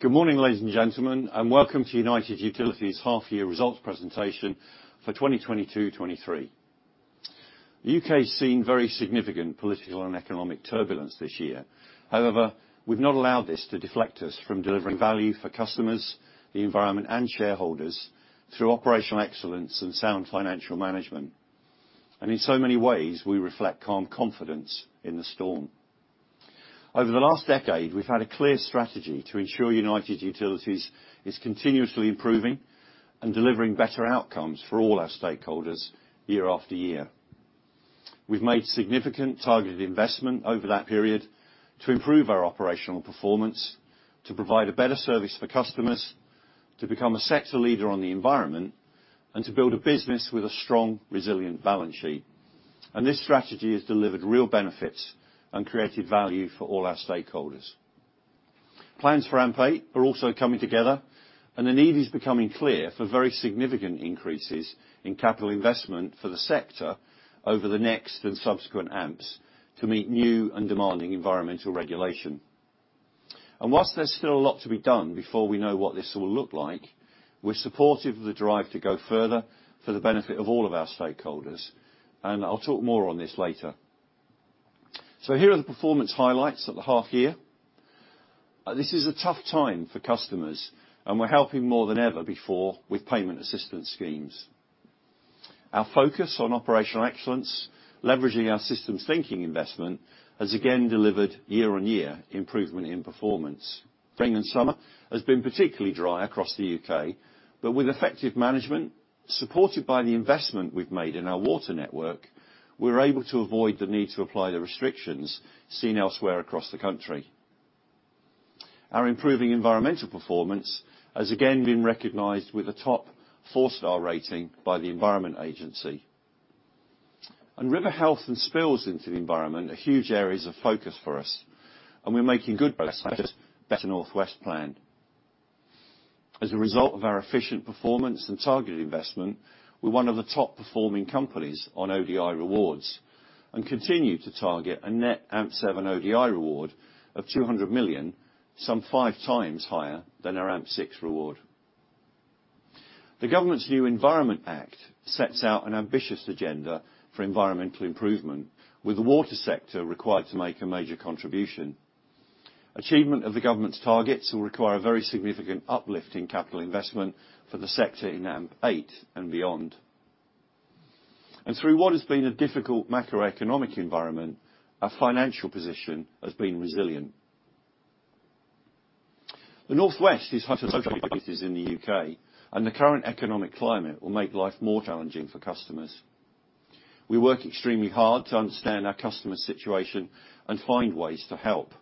Good morning, ladies and gentlemen, and welcome to United Utilities' half-year results presentation for 2022-23. The U.K's seen very significant political and economic turbulence this year. However, we've not allowed this to deflect us from delivering value for customers, the environment, and shareholders through operational excellence and sound financial management. In so many ways, we reflect calm confidence in the storm. Over the last decade, we've had a clear strategy to ensure United Utilities is continuously improving and delivering better outcomes for all our stakeholders year after year. We've made significant targeted investment over that period to improve our operational performance, to provide a better service for customers, to become a sector leader on the environment, and to build a business with a strong, resilient balance sheet. This strategy has delivered real benefits and created value for all our stakeholders. Plans for AMP8 are also coming together, and the need is becoming clear for very significant increases in capital investment for the sector over the next and subsequent AMPs to meet new and demanding environmental regulation. Whilst there's still a lot to be done before we know what this will look like, we're supportive of the drive to go further for the benefit of all of our stakeholders, and I'll talk more on this later. Here are the performance highlights at the half-year. This is a tough time for customers, and we're helping more than ever before with payment assistance schemes. Our focus on operational excellence, leveraging our systems thinking investment, has again delivered year-on-year improvement in performance. Spring and summer has been particularly dry across the U.K., but with effective management, supported by the investment we've made in our water network, we're able to avoid the need to apply the restrictions seen elsewhere across the country. Our improving environmental performance has again been recognized with a top four-star rating by the Environment Agency. River health and spills into the environment are huge areas of focus for us, and we're making good progress against Better North West plan. As a result of our efficient performance and targeted investment, we're one of the top performing companies on ODI rewards and continue to target a net AMP7 ODI reward of 200 million, some five times higher than our AMP6 reward. The government's new Environment Act sets out an ambitious agenda for environmental improvement, with the water sector required to make a major contribution. Achievement of the government's targets will require a very significant uplift in capital investment for the sector in AMP8 and beyond. Through what has been a difficult macroeconomic environment, our financial position has been resilient. The North West is home to some of the biggest cities in the U.K., and the current economic climate will make life more challenging for customers. We work extremely hard to understand our customers' situation and find ways to help,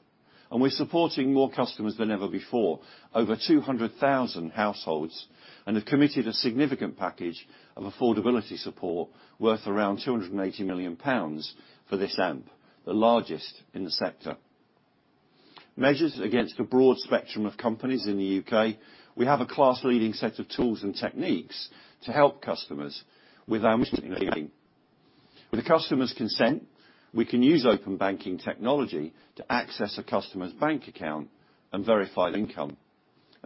and we're supporting more customers than ever before, over 200,000 households, and have committed a significant package of affordability support worth around 280 million pounds for this AMP, the largest in the sector. Measured against a broad spectrum of companies in the U.K., we have a class-leading set of tools and techniques to help customers with our mission. With a customer's consent, we can use open banking technology to access a customer's bank account and verified income.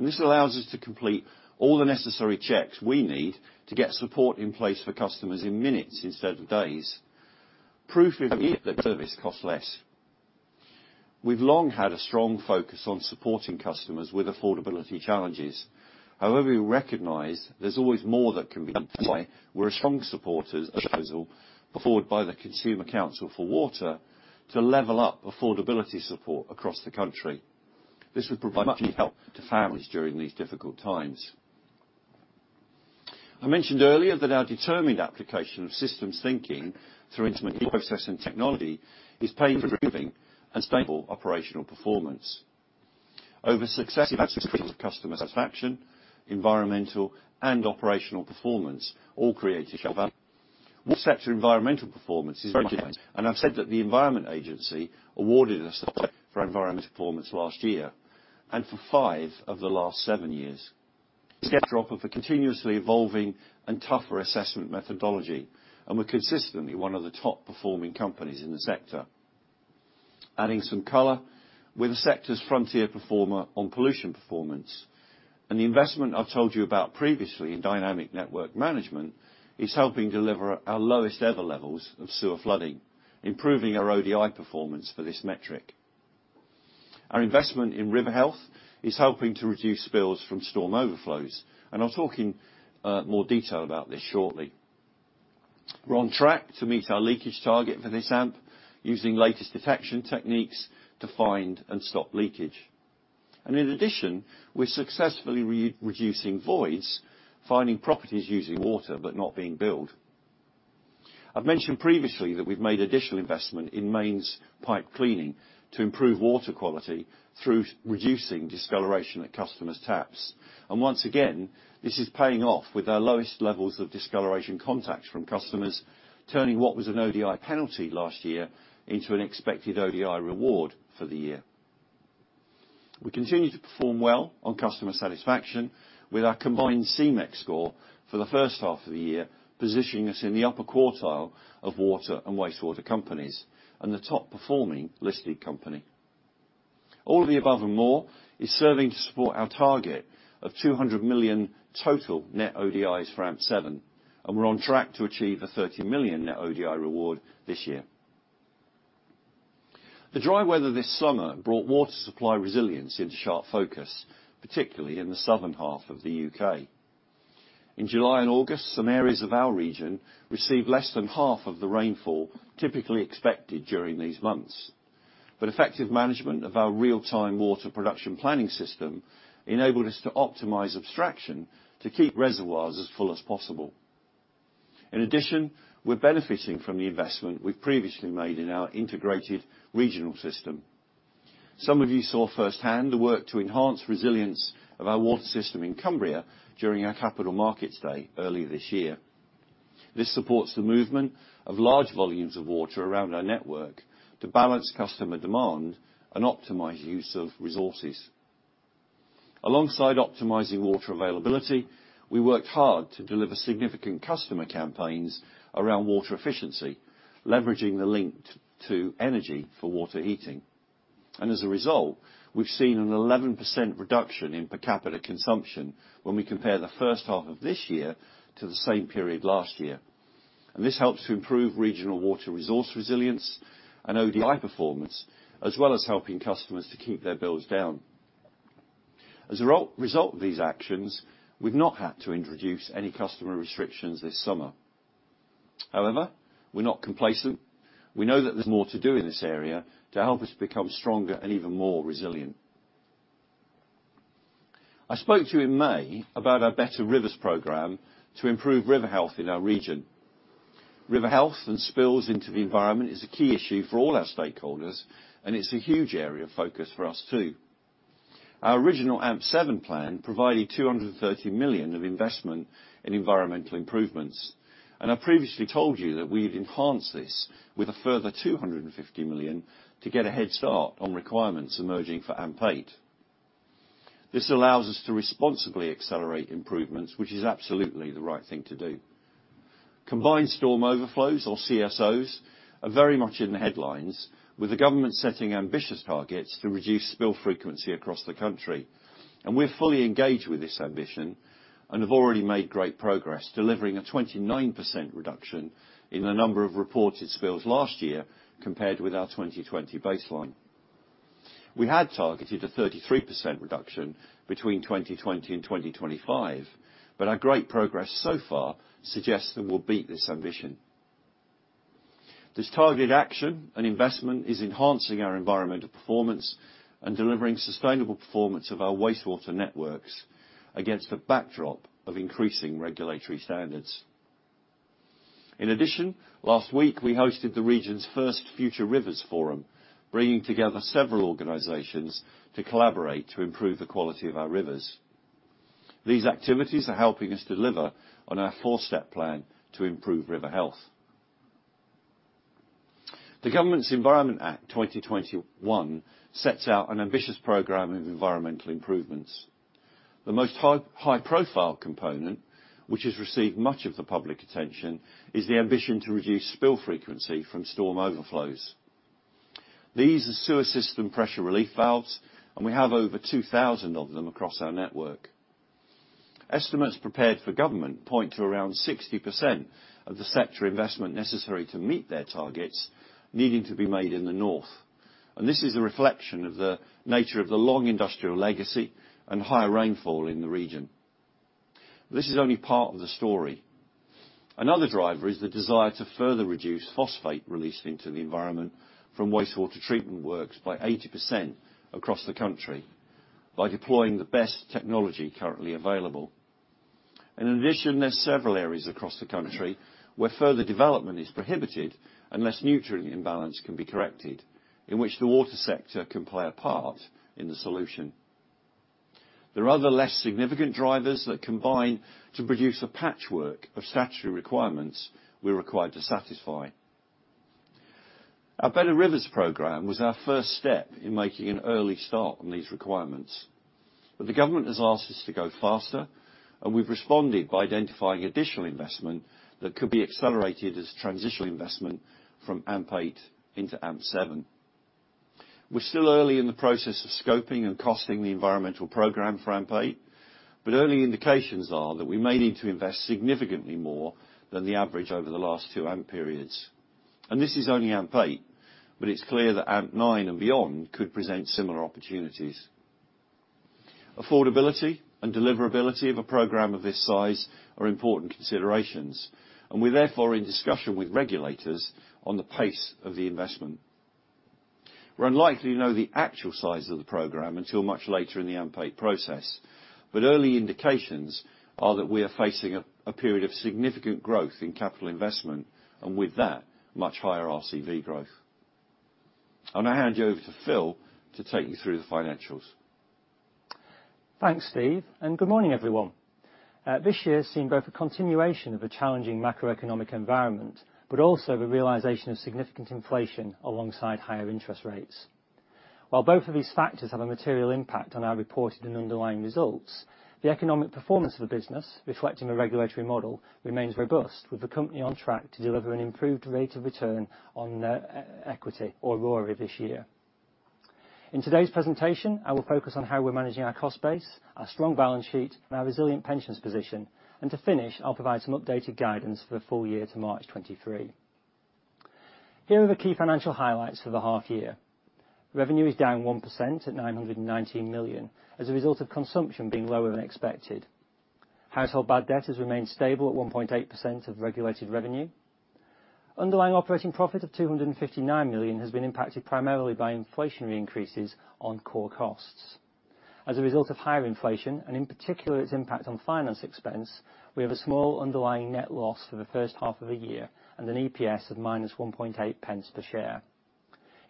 This allows us to complete all the necessary checks we need to get support in place for customers in minutes instead of days. Proof in hand that the service costs less. We've long had a strong focus on supporting customers with affordability challenges. However, we recognize there's always more that can be done, why we're strong supporters of the proposal put forward by the Consumer Council for Water to level up affordability support across the country. This would provide much-needed help to families during these difficult times. I mentioned earlier that our determined application of systems thinking through integrated process and technology is paying, improving, and stable operational performance. Over successive years of customer satisfaction, environmental and operational performance all create a share value. Water sector environmental performance is very diverse. I've said that the Environment Agency awarded us for our environmental performance last year and for five of the last seven years. Step drop of a continuously evolving and tougher assessment methodology, and we're consistently one of the top performing companies in the sector. Adding some color, we're the sector's frontier performer on pollution performance. The investment I've told you about previously in Dynamic Network Management is helping deliver our lowest ever levels of sewer flooding, improving our ODI performance for this metric. Our investment in river health is helping to reduce spills from storm overflows, and I'll talk in more detail about this shortly. We're on track to meet our leakage target for this AMP, using latest detection techniques to find and stop leakage. In addition, we're successfully re-reducing voids, finding properties using water but not being billed. I've mentioned previously that we've made additional investment in mains pipe cleaning to improve water quality through reducing discoloration at customers' taps. Once again, this is paying off with our lowest levels of discoloration contacts from customers, turning what was an ODI penalty last year into an expected ODI reward for the year. We continue to perform well on customer satisfaction with our combined C-MeX score for the H1 of the year, positioning us in the upper quartile of water and wastewater companies, and the top performing listed company. All of the above and more is serving to support our target of 200 million total net ODIs for AMP7, and we're on track to achieve a 30 million net ODI reward this year. The dry weather this summer brought water supply resilience into sharp focus, particularly in the southern half of the U.K. In July and August, some areas of our region received less than half of the rainfall typically expected during these months. Effective management of our real-time water production planning system enabled us to optimize abstraction to keep reservoirs as full as possible. In addition, we're benefiting from the investment we've previously made in our integrated regional system. Some of you saw firsthand the work to enhance resilience of our water system in Cumbria during our capital markets day earlier this year. This supports the movement of large volumes of water around our network to balance customer demand and optimize use of resources. Alongside optimizing water availability, we worked hard to deliver significant customer campaigns around water efficiency, leveraging the link to energy for water heating. As a result, we've seen an 11% reduction in per capita consumption when we compare the H1 of this year to the same period last year. This helps to improve regional water resource resilience and ODI performance, as well as helping customers to keep their bills down. As a result of these actions, we've not had to introduce any customer restrictions this summer. However, we're not complacent. We know that there's more to do in this area to help us become stronger and even more resilient. I spoke to you in May about our Better Rivers program to improve river health in our region. River health and spills into the environment is a key issue for all our stakeholders, and it's a huge area of focus for us too. Our original AMP7 plan provided 230 million of investment in environmental improvements, and I previously told you that we'd enhanced this with a further 250 million to get a head start on requirements emerging for AMP8. This allows us to responsibly accelerate improvements, which is absolutely the right thing to do. Combined storm overflows or CSOs are very much in the headlines, with the government setting ambitious targets to reduce spill frequency across the country. We're fully engaged with this ambition and have already made great progress, delivering a 29% reduction in the number of reported spills last year compared with our 2020 baseline. We had targeted a 33% reduction between 2020 and 2025, but our great progress so far suggests that we'll beat this ambition. This targeted action and investment is enhancing our environmental performance and delivering sustainable performance of our wastewater networks against a backdrop of increasing regulatory standards. In addition, last week we hosted the region's first Future Rivers Forum, bringing together several organizations to collaborate to improve the quality of our rivers. These activities are helping us deliver on our four-step plan to improve river health. The government's Environment Act 2021 sets out an ambitious program of environmental improvements. The most high-profile component, which has received much of the public attention, is the ambition to reduce spill frequency from storm overflows. These are sewer system pressure relief valves, and we have over 2,000 of them across our network. Estimates prepared for Government point to around 60% of the sector investment necessary to meet their targets needing to be made in the North. This is a reflection of the nature of the long industrial legacy and higher rainfall in the region. This is only part of the story. Another driver is the desire to further reduce phosphate released into the environment from wastewater treatment works by 80% across the country by deploying the best technology currently available. In addition, there's several areas across the country where further development is prohibited unless nutrient imbalance can be corrected, in which the water sector can play a part in the solution. There are other less significant drivers that combine to produce a patchwork of statutory requirements we're required to satisfy. Our Better Rivers program was our first step in making an early start on these requirements. The government has asked us to go faster, and we've responded by identifying additional investment that could be accelerated as transitional investment from AMP8 into AMP7. We're still early in the process of scoping and costing the environmental program for AMP8, but early indications are that we may need to invest significantly more than the average over the last two AMP periods. This is only AMP8, but it's clear that AMP9 and beyond could present similar opportunities. Affordability and deliverability of a program of this size are important considerations, and we're therefore in discussion with regulators on the pace of the investment. We're unlikely to know the actual size of the program until much later in the AMP8 process, but early indications are that we are facing a period of significant growth in capital investment, and with that, much higher RCV growth. I'll now hand you over to Phil to take you through the financials. Thanks, Steve, and good morning, everyone. This year's seen both a continuation of a challenging macroeconomic environment, but also the realization of significant inflation alongside higher interest rates. While both of these factors have a material impact on our reported and underlying results, the economic performance of the business, reflecting the regulatory model, remains robust, with the company on track to deliver an improved rate of return on RoRE this year. In today's presentation, I will focus on how we're managing our cost base, our strong balance sheet, and our resilient pensions position. To finish, I'll provide some updated guidance for the full year to March 2023. Here are the key financial highlights for the half year. Revenue is down 1% at 919 million as a result of consumption being lower than expected. Household bad debt has remained stable at 1.8% of regulated revenue. Underlying operating profit of 259 million has been impacted primarily by inflationary increases on core costs. As a result of higher inflation, and in particular, its impact on finance expense, we have a small underlying net loss for the H1 of the year and an EPS of -1.8 pence per share.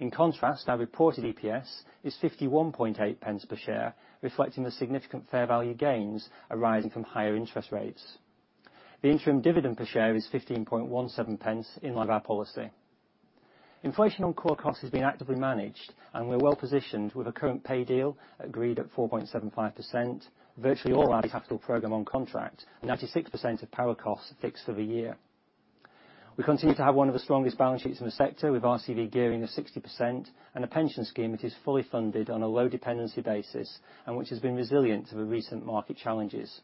In contrast, our reported EPS is 51.8 pence per share, reflecting the significant fair value gains arising from higher interest rates. The interim dividend per share is 15.17 pence in line with our policy. Inflation on core costs is being actively managed, and we're well-positioned with a current pay deal agreed at 4.75%. Virtually all our capital program on contract and 96% of power costs are fixed for the year. We continue to have one of the strongest balance sheets in the sector with RCV gearing of 60% and a pension scheme which is fully funded on a low dependency basis and which has been resilient to the recent market challenges.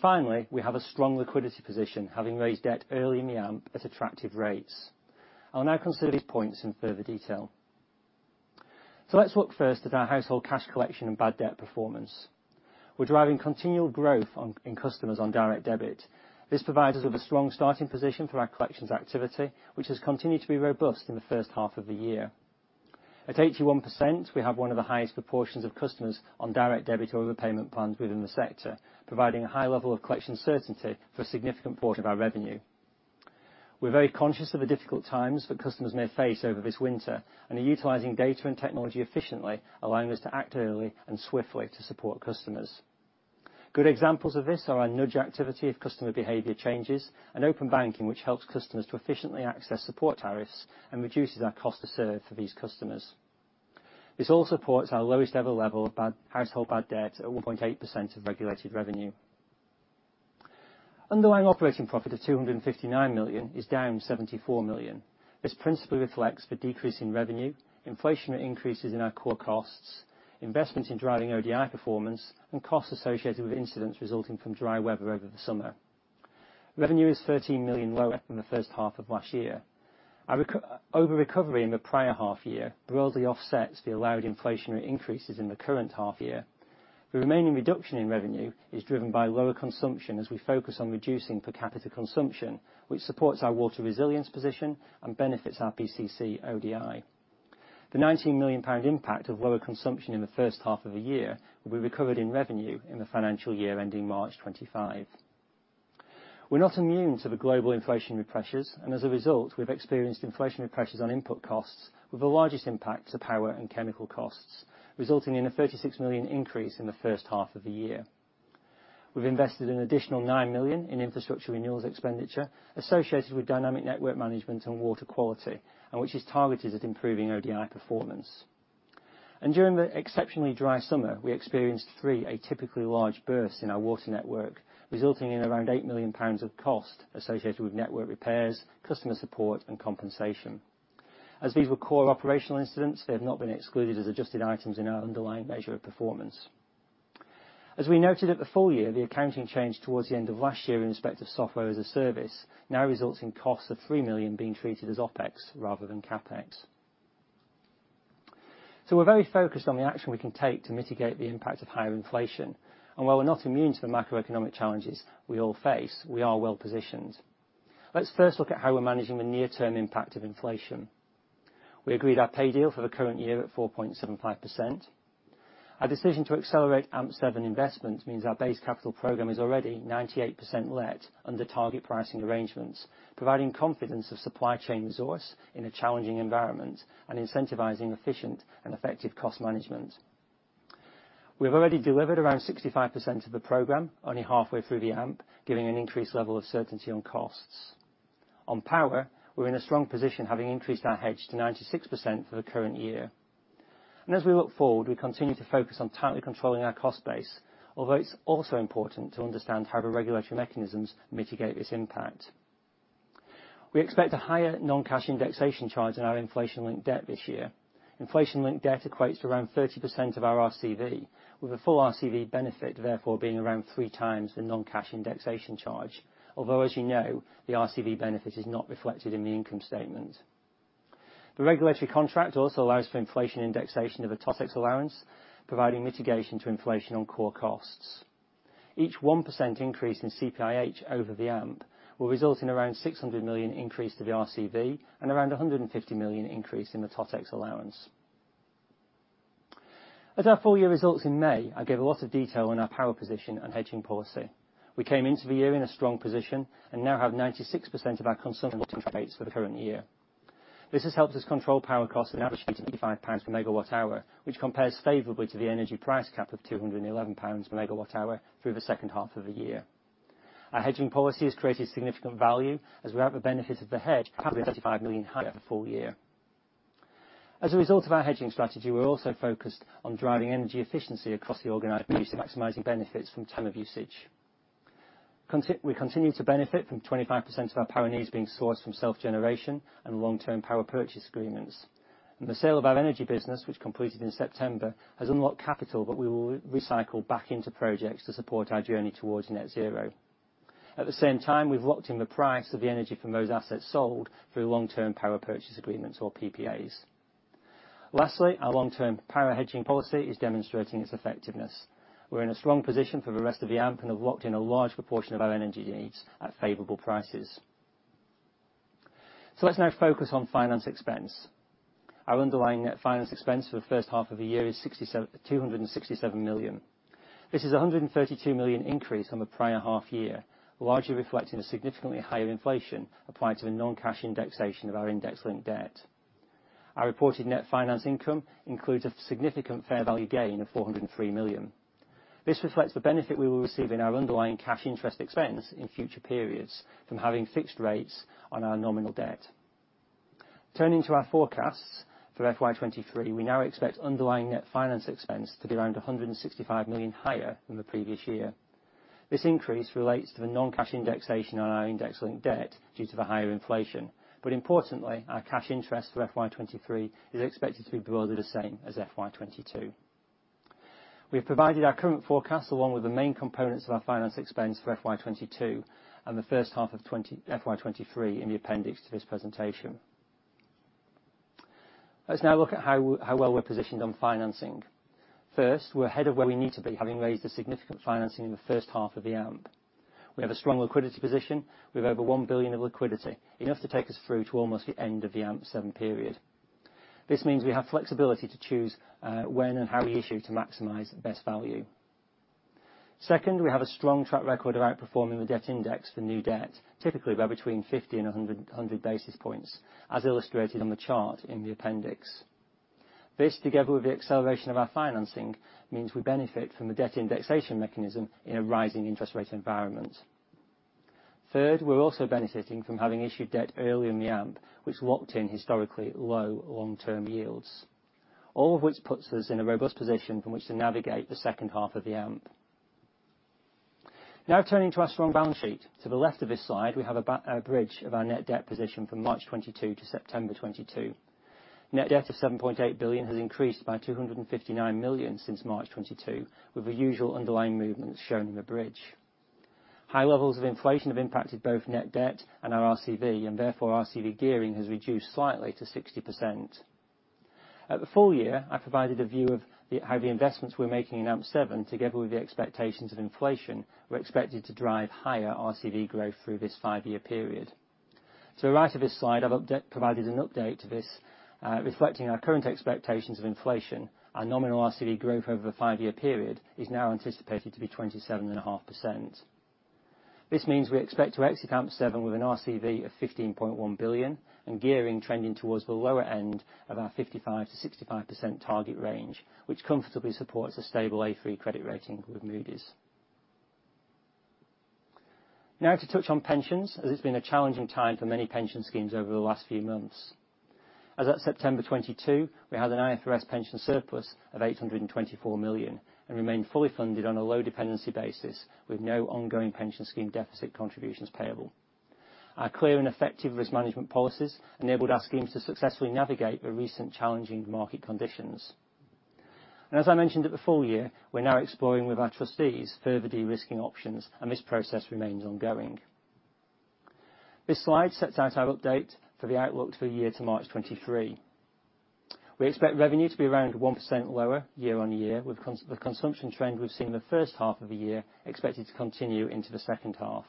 Finally, we have a strong liquidity position, having raised debt early in the AMP at attractive rates. I'll now consider these points in further detail. Let's look first at our household cash collection and bad debt performance. We're driving continual growth in customers on Direct Debit. This provides us with a strong starting position for our collections activity, which has continued to be robust in the H1 of the year. At 81%, we have one of the highest proportions of customers on Direct Debit or other payment plans within the sector, providing a high level of collection certainty for a significant portion of our revenue. We're very conscious of the difficult times that customers may face over this winter and are utilizing data and technology efficiently, allowing us to act early and swiftly to support customers. Good examples of this are our nudge activity if customer behavior changes, and Open banking, which helps customers to efficiently access support tariffs and reduces our cost to serve for these customers. This all supports our lowest ever level of household bad debt at 1.8% of regulated revenue. Underlying operating profit of 259 million is down 74 million. This principally reflects the decrease in revenue, inflationary increases in our core costs, investments in driving ODI performance, and costs associated with incidents resulting from dry weather over the summer. Revenue is 13 million lower than the H1 of last year. Our over-recovery in the prior half year broadly offsets the allowed inflationary increases in the current half year. The remaining reduction in revenue is driven by lower consumption as we focus on reducing per capita consumption, which supports our water resilience position and benefits our BCC ODI. The 19 million pound impact of lower consumption in the H1 of the year will be recovered in revenue in the financial year ending March 2025. We're not immune to the global inflationary pressures. As a result, we've experienced inflationary pressures on input costs with the largest impact to power and chemical costs, resulting in a 36 million increase in the H1 of the year. We've invested an additional 9 million in infrastructure renewals expenditure associated with Dynamic Network Management and water quality. Which is targeted at improving ODI performance. During the exceptionally dry summer, we experienced three atypical large bursts in our water network, resulting in around 8 million pounds of cost associated with network repairs, customer support, and compensation. As these were core operational incidents, they have not been excluded as adjusted items in our underlying measure of performance. As we noted at the full year, the accounting change towards the end of last year in respect of Software as a service now results in costs of 3 million being treated as OpEx rather than CapEx. We're very focused on the action we can take to mitigate the impact of higher inflation. While we're not immune to the macroeconomic challenges we all face, we are well-positioned. Let's first look at how we're managing the near-term impact of inflation. We agreed our pay deal for the current year at 4.75%. Our decision to accelerate AMP7 investment means our base capital program is already 98% let under target pricing arrangements, providing confidence of supply chain resource in a challenging environment and incentivizing efficient and effective cost management. We have already delivered around 65% of the program only halfway through the AMP, giving an increased level of certainty on costs. On power, we're in a strong position, having increased our hedge to 96% for the current year. As we look forward, we continue to focus on tightly controlling our cost base, although it's also important to understand how the regulatory mechanisms mitigate this impact. We expect a higher non-cash indexation charge on our inflation-linked debt this year. Inflation-linked debt equates to around 30% of our RCV, with the full RCV benefit therefore being around three times the non-cash indexation charge. As you know, the RCV benefit is not reflected in the income statement. The regulatory contract also allows for inflation indexation of a Totex allowance, providing mitigation to inflation on core costs. Each 1% increase in CPIH over the AMP will result in around 600 million increase to the RCV and around 150 million increase in the totex allowance. At our full year results in May, I gave a lot of detail on our power position and hedging policy. We came into the year in a strong position and now have 96% of our consumption This has helped us control power costs that average to GBP 85 per megawatt hour, which compares favorably to the energy price cap of GBP 211 per megawatt hour through the H2 of the year. Our hedging policy has created significant value as we have the benefit of the hedge, probably 35 million higher for full year. As a result of our hedging strategy, we're also focused on driving energy efficiency across the organization, maximizing benefits from time of usage. We continue to benefit from 25% of our power needs being sourced from self-generation and long-term power purchase agreements. The sale of our energy business, which completed in September, has unlocked capital, we will recycle back into projects to support our journey towards net zero. At the same time, we've locked in the price of the energy from those assets sold through long-term power purchase agreements or PPAs. Lastly, our long-term power hedging policy is demonstrating its effectiveness. We're in a strong position for the rest of the AMP and have locked in a large proportion of our energy needs at favorable prices. Let's now focus on finance expense. Our underlying net finance expense for the H1 of the year is 267 million. This is a 132 million increase from the prior half year, largely reflecting a significantly higher inflation applied to the non-cash indexation of our index-linked debt. Our reported net finance income includes a significant fair value gain of 403 million. This reflects the benefit we will receive in our underlying cash interest expense in future periods from having fixed rates on our nominal debt. Turning to our forecasts for FY 2023, we now expect underlying net finance expense to be around 165 million higher than the previous year. This increase relates to the non-cash indexation on our index-linked debt due to the higher inflation. Importantly, our cash interest for FY 2023 is expected to be broadly the same as FY 2022. We have provided our current forecast, along with the main components of our finance expense for FY 2022 and the H1 of FY 2023 in the appendix to this presentation. Let's now look at how well we're positioned on financing. First, we're ahead of where we need to be, having raised a significant financing in the H1 of the AMP. We have a strong liquidity position with over 1 billion of liquidity, enough to take us through to almost the end of the AMP7 period. This means we have flexibility to choose when and how we issue to maximize the best value. Second, we have a strong track record of outperforming the debt index for new debt, typically by between 50 and 100 basis points, as illustrated on the chart in the appendix. This, together with the acceleration of our financing, means we benefit from the debt indexation mechanism in a rising interest rate environment. We're also benefiting from having issued debt early in the AMP, which locked in historically low long-term yields. All of which puts us in a robust position from which to navigate the H2 of the AMP. Turning to our strong balance sheet. To the left of this slide, we have a bridge of our net debt position from March 2022 to September 2022. Net debt of 7.8 billion has increased by 259 million since March 2022, with the usual underlying movements shown in the bridge. High levels of inflation have impacted both net debt and our RCV, and therefore RCV gearing has reduced slightly to 60%. At the full year, I provided a view of how the investments we're making in AMP7, together with the expectations of inflation, were expected to drive higher RCV growth through this five-year period. To the right of this slide, I've provided an update to this, reflecting our current expectations of inflation. Our nominal RCV growth over the five-year period is now anticipated to be 27.5%. This means we expect to exit AMP7 with an RCV of 15.1 billion and gearing trending towards the lower end of our 55%-65% target range, which comfortably supports a stable A3 credit rating with Moody's. Now to touch on pensions, as it's been a challenging time for many pension schemes over the last few months. As at September 2022, we had an IFRS pension surplus of 824 million and remain fully funded on a low dependency basis, with no ongoing pension scheme deficit contributions payable. Our clear and effective risk management policies enabled our schemes to successfully navigate the recent challenging market conditions. As I mentioned at the full year, we're now exploring with our trustees further de-risking options, and this process remains ongoing. This slide sets out our update for the outlook for the year to March 2023. We expect revenue to be around 1% lower year-on-year with the consumption trend we've seen in the H1 of the year expected to continue into the H2.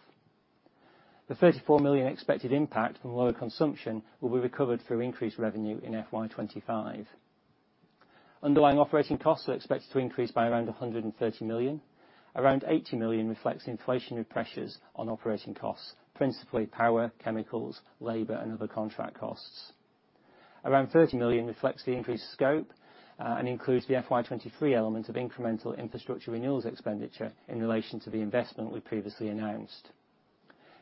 The 34 million expected impact from lower consumption will be recovered through increased revenue in FY 2025. Underlying operating costs are expected to increase by around 130 million. Around 80 million reflects inflationary pressures on operating costs, principally power, chemicals, Labour, and other contract costs. Around 30 million reflects the increased scope, and includes the FY 2023 element of incremental infrastructure renewals expenditure in relation to the investment we previously announced.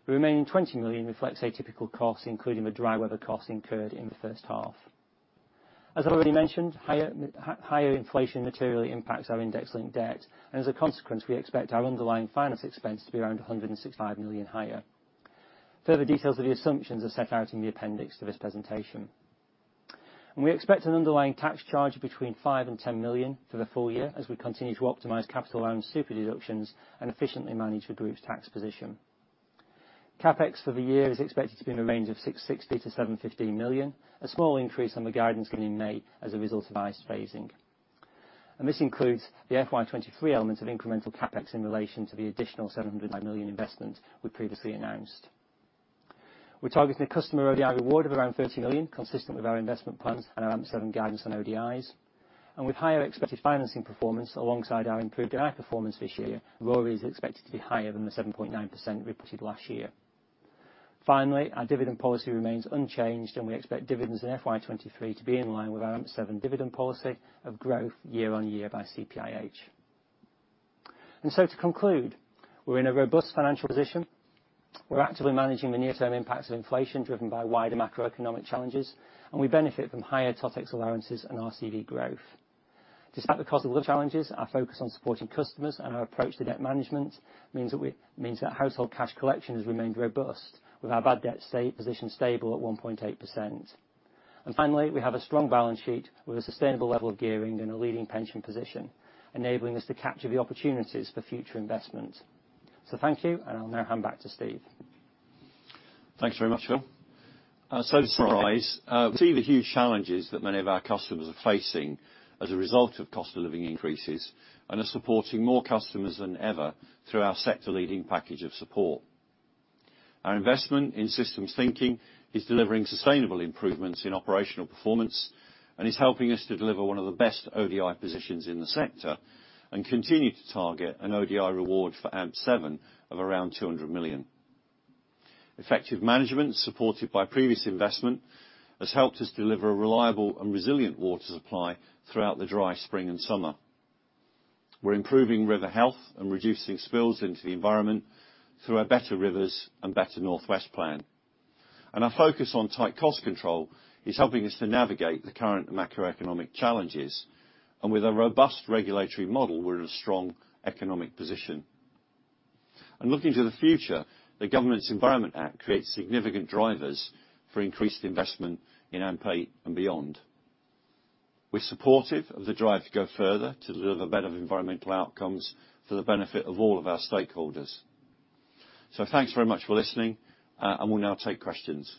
The remaining 20 million reflects atypical costs, including the dry weather costs incurred in the H1. As already mentioned, higher inflation materially impacts our index-linked debt. As a consequence, we expect our underlying finance expense to be around 165 million higher. Further details of the assumptions are set out in the appendix to this presentation. We expect an underlying tax charge of between 5 million and 10 million for the full year as we continue to optimize capital allowance Super-deduction and efficiently manage the group's tax position. CapEx for the year is expected to be in the range of 660 million-715 million, a small increase on the guidance given in May as a result of ice phasing. This includes the FY 2023 element of incremental CapEx in relation to the additional 705 million investment we previously announced. We're targeting a customer ODI reward of around 30 million, consistent with our investment plans and our AMP7 guidance on ODIs. With higher expected financing performance alongside our improved ODI performance this year, ROA is expected to be higher than the 7.9% reported last year. Finally, our dividend policy remains unchanged, and we expect dividends in FY 2023 to be in line with our AMP7 dividend policy of growth year on year by CPIH. To conclude, we're in a robust financial position. We're actively managing the near-term impacts of inflation driven by wider macroeconomic challenges, and we benefit from higher TotEx allowances and RCV growth. Despite the cost of living challenges, our focus on supporting customers and our approach to debt management means that we means that household cash collection has remained robust, with our bad debt stay-position stable at 1.8%. Finally, we have a strong balance sheet with a sustainable level of gearing and a leading pension position, enabling us to capture the opportunities for future investment. Thank you, and I'll now hand back to Steve. Thanks very much, Phil. To summarize, we see the huge challenges that many of our customers are facing as a result of cost of living increases and are supporting more customers than ever through our sector leading package of support. Our investment in systems thinking is delivering sustainable improvements in operational performance and is helping us to deliver one of the best ODI positions in the sector and continue to target an ODI reward for AMP7 of around 200 million. Effective management, supported by previous investment, has helped us deliver a reliable and resilient water supply throughout the dry spring and summer. We're improving river health and reducing spills into the environment through our Better Rivers and Better North West plan. Our focus on tight cost control is helping us to navigate the current macroeconomic challenges. With a robust regulatory model, we're in a strong economic position. Looking to the future, the government's Environment Act creates significant drivers for increased investment in AMP8 and beyond. We're supportive of the drive to go further to deliver better environmental outcomes for the benefit of all of our stakeholders. Thanks very much for listening, and we'll now take questions.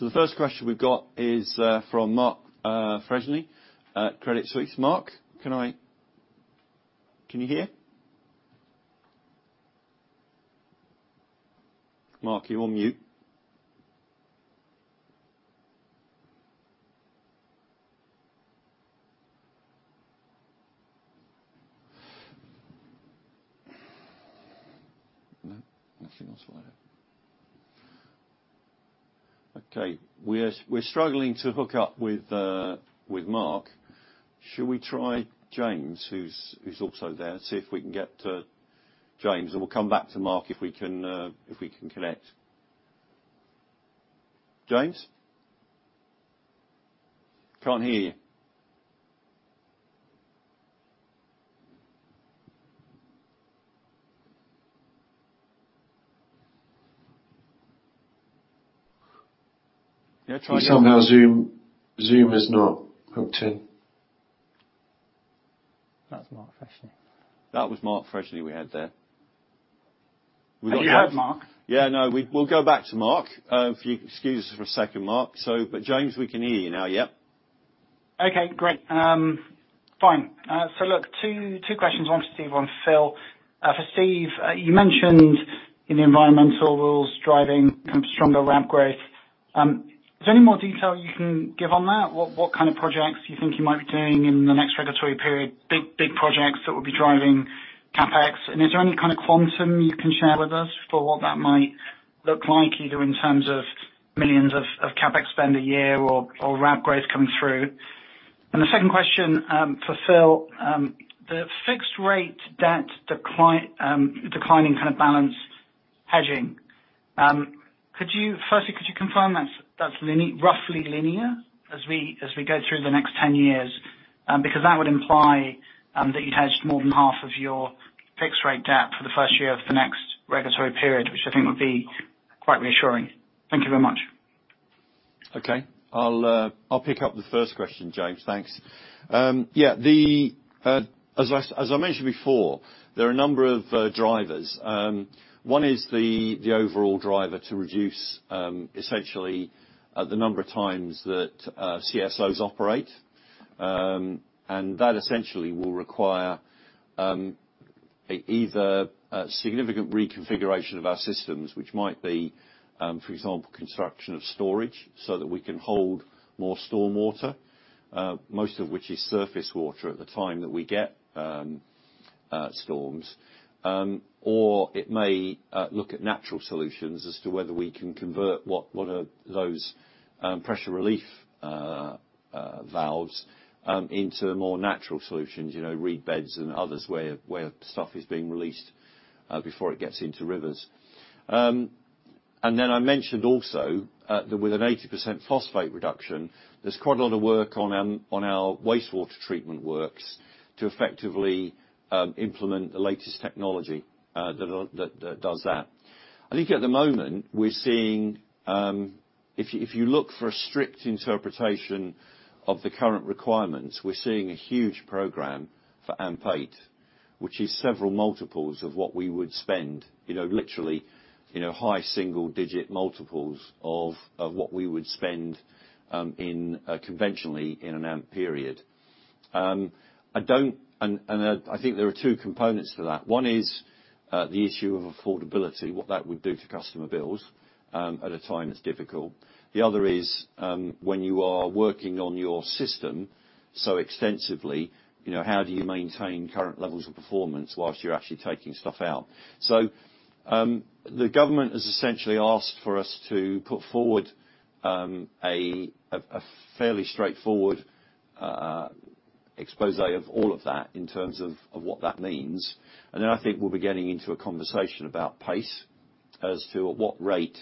The first question we've got is from Mark Freshney at Credit Suisse.Mark, can you hear? Mark, you're on mute. No? Nothing else for later. Okay. We're struggling to hook up with Mark. Shall we try James who's also there? See if we can get James, and we'll come back to Mark if we can connect. James? Can't hear you. Yeah, try James. Somehow Zoom is not hooked in. That's Mark Freshney. That was Mark Freshney we had there. We'll go back. You have Mark. Yeah, no, we'll go back to Mark. If you excuse us for a second, Mark. James, we can hear you now, yeah? Okay, great. Fine. Look, two questions, one for Steve, one for Phil. For Steve, you mentioned in the environmental rules driving kind of stronger ramp growth. Is there any more detail you can give on that? What kind of projects do you think you might be doing in the next regulatory period, big projects that will be driving CapEx? Is there any kind of quantum you can share with us for what that might look like, either in terms of millions of GBP CapEx spend a year or ramp growth coming through? The second question for Phil, the fixed rate debt decline, declining kind of balance hedging. Firstly, could you confirm that's roughly linear as we go through the next 10 years? That would imply that you've hedged more than half of your fixed rate debt for the first year of the next regulatory period, which I think would be quite reassuring. Thank you very much. Okay. I'll pick up the first question, James. Thanks. Yeah, as I mentioned before, there are a number of drivers. One is the overall driver to reduce essentially the number of times that CSOs operate. That essentially will require either a significant reconfiguration of our systems, which might be, for example, construction of storage so that we can hold more stormwater, most of which is surface water at the time that we get storms. It may look at natural solutions as to whether we can convert what are those pressure relief valves into more natural solutions, you know, reed beds and others where stuff is being released before it gets into rivers. I mentioned also that with an 80% phosphate reduction, there's quite a lot of work on our wastewater treatment works to effectively implement the latest technology that does that. I think at the moment we're seeing, if you look for a strict interpretation of the current requirements, we're seeing a huge program for AMP8, which is several multiples of what we would spend, literally, high single digit multiples of what we would spend in conventionally in an AMP period. I think there are two components to that. One is the issue of affordability, what that would do to customer bills at a time that's difficult. The other is, when you are working on your system so extensively, you know, how do you maintain current levels of performance whilst you're actually taking stuff out? The government has essentially asked for us to put forward a fairly straightforward Exposé of all of that in terms of what that means. I think we'll be getting into a conversation about pace as to at what rate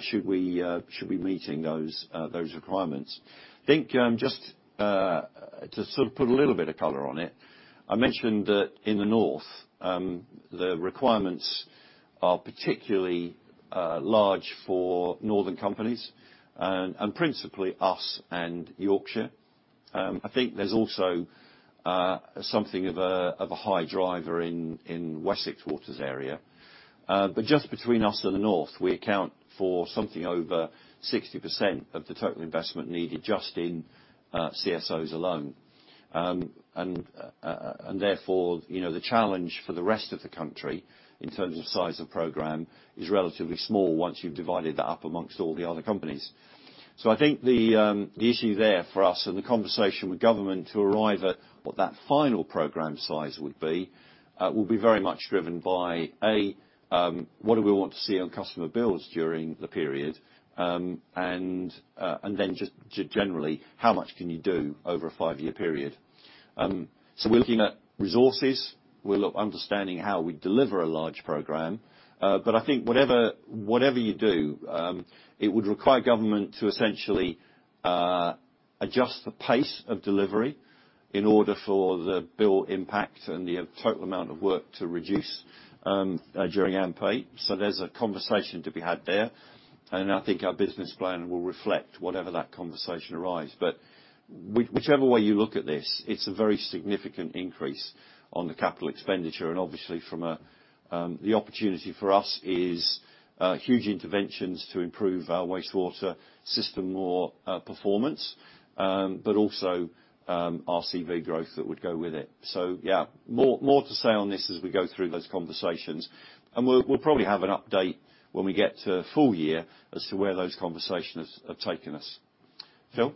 should we be meeting those requirements. Think, just to sort of put a little bit of color on it, I mentioned that in the North, the requirements are particularly large for northern companies and principally us and Yorkshire. I think there's also something of a high driver in Wessex Water's area. Just between us and the North, we account for something over 60% of the total investment needed just in CSOs alone. Therefore, you know, the challenge for the rest of the country in terms of size of program is relatively small once you've divided that up amongst all the other companies. I think the issue there for us and the conversation with government to arrive at what that final program size would be, will be very much driven by, A., what do we want to see on customer bills during the period? Then just generally, how much can you do over a five-year period? We're looking at resources. We're understanding how we deliver a large program. I think whatever you do, it would require government to essentially adjust the pace of delivery in order for the bill impact and the total amount of work to reduce during AMP8. There's a conversation to be had there, and I think our business plan will reflect whatever that conversation arise. Whichever way you look at this, it's a very significant increase on the capital expenditure. Obviously from the opportunity for us is huge interventions to improve our wastewater system or performance, but also RCV growth that would go with it. Yeah, more to say on this as we go through those conversations. We'll probably have an update when we get to full year as to where those conversations have taken us. Phil?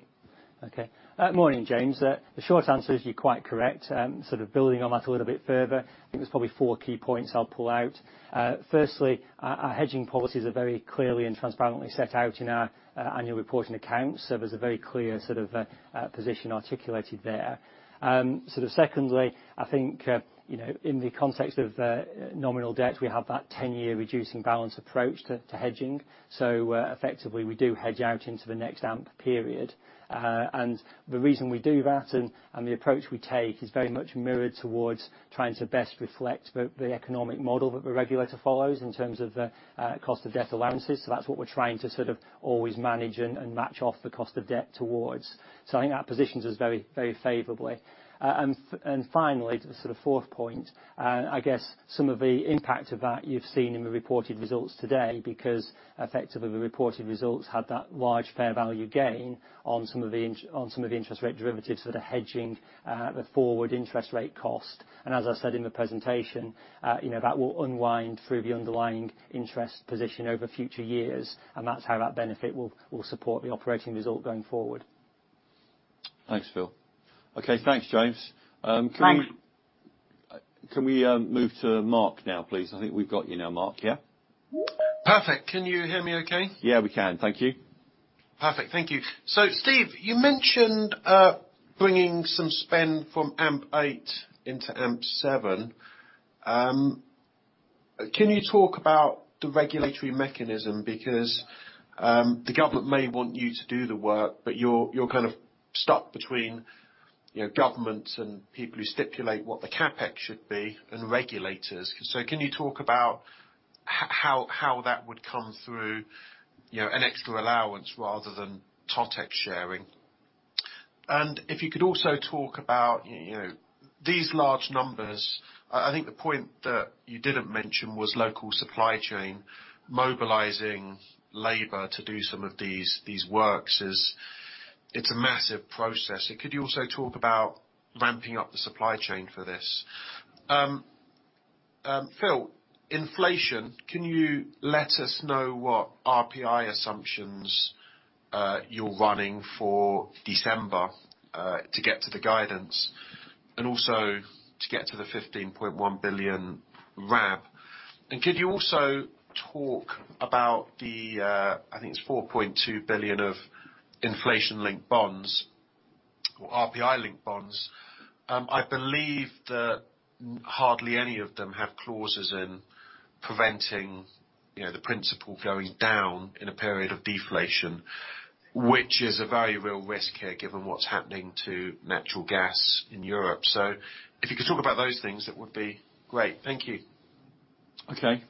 Okay. Morning, James. The short answer is you're quite correct. Sort of building on that a little bit further, I think there's probably four key points I'll pull out. Firstly, our hedging policies are very clearly and transparently set out in our annual reporting accounts. There's a very clear sort of position articulated there. Sort of secondly, I think, you know, in the context of nominal debt, we have that 10-year reducing balance approach to hedging. Effectively, we do hedge out into the next AMP period. And the reason we do that and the approach we take is very much mirrored towards trying to best reflect the economic model that the regulator follows in terms of the cost of debt allowances. That's what we're trying to sort of always manage and match off the cost of debt towards. I think our position is very, very favorably. Finally, to the sort of fourth point, I guess some of the impact of that you've seen in the reported results today, because effectively, the reported results had that large fair value gain on some of the interest rate derivatives for the hedging, the forward interest rate cost. As I said in the presentation, you know, that will unwind through the underlying interest position over future years, and that's how that benefit will support the operating result going forward. Thanks, Phil. Okay. Thanks, James. Thanks. Can we move to Mark now, please? I think we've got you now, Mark. Yeah. Perfect. Can you hear me okay? Yeah, we can. Thank you. Perfect. Thank you. Steve, you mentioned bringing some spend from AMP8 into AMP7. Can you talk about the regulatory mechanism? Because the government may want you to do the work, but you're kind of stuck between, you know, government and people who stipulate what the CapEx should be and regulators. Can you talk about how that would come through, you know, an extra allowance rather than TotEx sharing? If you could also talk about, you know, these large numbers. I think the point that you didn't mention was local supply chain, mobilizing labor to do some of these works. It's a massive process. Could you also talk about ramping up the supply chain for this? Phil, inflation, can you let us know what RPI assumptions you're running for December to get to the guidance and also to get to the 15.1 billion RAB? Could you also talk about the, I think it's 4.2 billion of inflation-linked bonds or RPI-linked bonds? I believe that hardly any of them have clauses in preventing, you know, the principal going down in a period of deflation, which is a very real risk here given what's happening to natural gas in Europe. If you could talk about those things, that would be great. Thank you. Okay.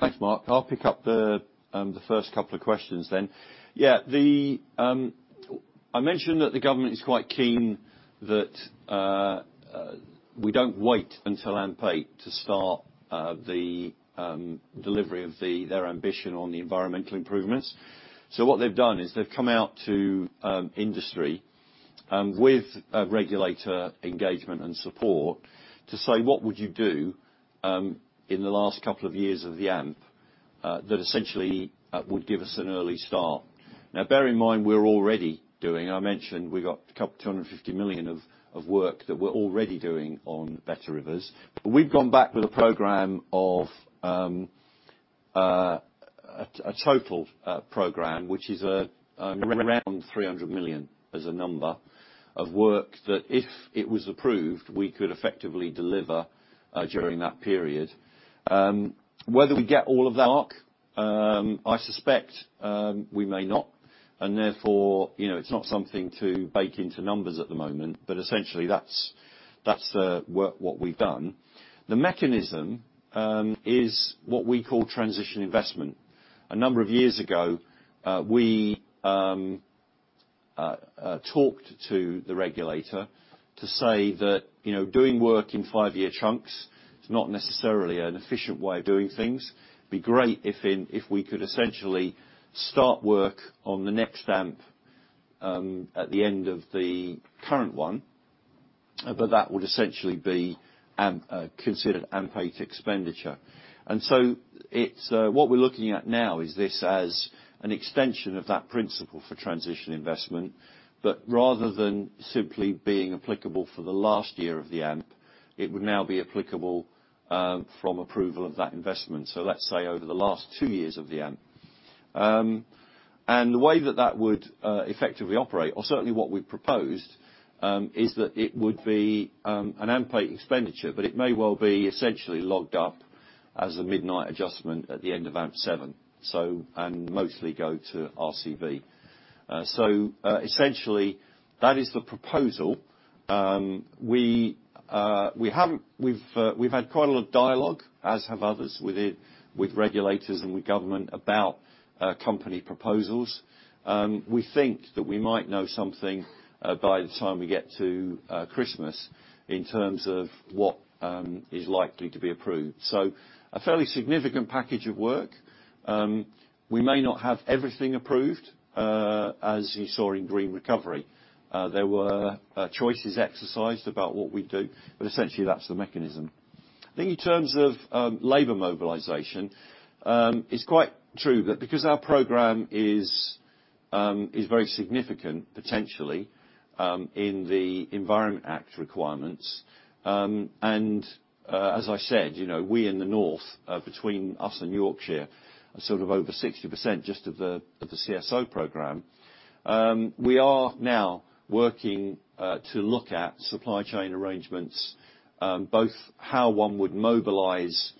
Thanks, Mark. I'll pick up the first couple of questions. Yeah, I mentioned that the government is quite keen that we don't wait until AMP8 to start the delivery of their ambition on the environmental improvements. What they've done is they've come out to industry with a regulator engagement and support to say, "What would you do in the last couple of years of the AMP that essentially would give us an early start?" Now, bear in mind, I mentioned we've got 250 million of work that we're already doing on Better Rivers. We've gone back with a program of a total program, which is around 300 million as a number of work that if it was approved, we could effectively deliver during that period. Whether we get all of that, Mark, I suspect we may not, and therefore, you know, it's not something to bake into numbers at the moment. Essentially, that's the work what we've done. The mechanism is what we call transition investment. A number of years ago, we talked to the regulator to say that, you know, doing work in five-year chunks is not necessarily an efficient way of doing things. Be great if we could essentially start work on the next AMP at the end of the current one, but that would essentially be AMP considered AMP8 expenditure. It's what we're looking at now is this as an extension of that principle for transition investment. Rather than simply being applicable for the last year of the AMP, it would now be applicable from approval of that investment. Let's say, over the last two years of the AMP. The way that that would effectively operate, or certainly what we've proposed, is that it would be an AMP8 expenditure, but it may well be essentially logged up as a midnight adjustment at the end of AMP7, so, and mostly go to RCV. Essentially, that is the proposal. We've had quite a lot of dialogue, as have others with the regulators and with government about company proposals. We think that we might know something by the time we get to Christmas in terms of what is likely to be approved. A fairly significant package of work. We may not have everything approved as you saw in Green Recovery. There were choices exercised about what we do, but essentially that's the mechanism. I think in terms of labor mobilization, it's quite true that because our program is very significant potentially in the Environment Act requirements, and as I said, you know, we in the North, between us and Yorkshire, are sort of over 60% just of the CSO program. We are now working to look at supply chain arrangements, both how one would mobilize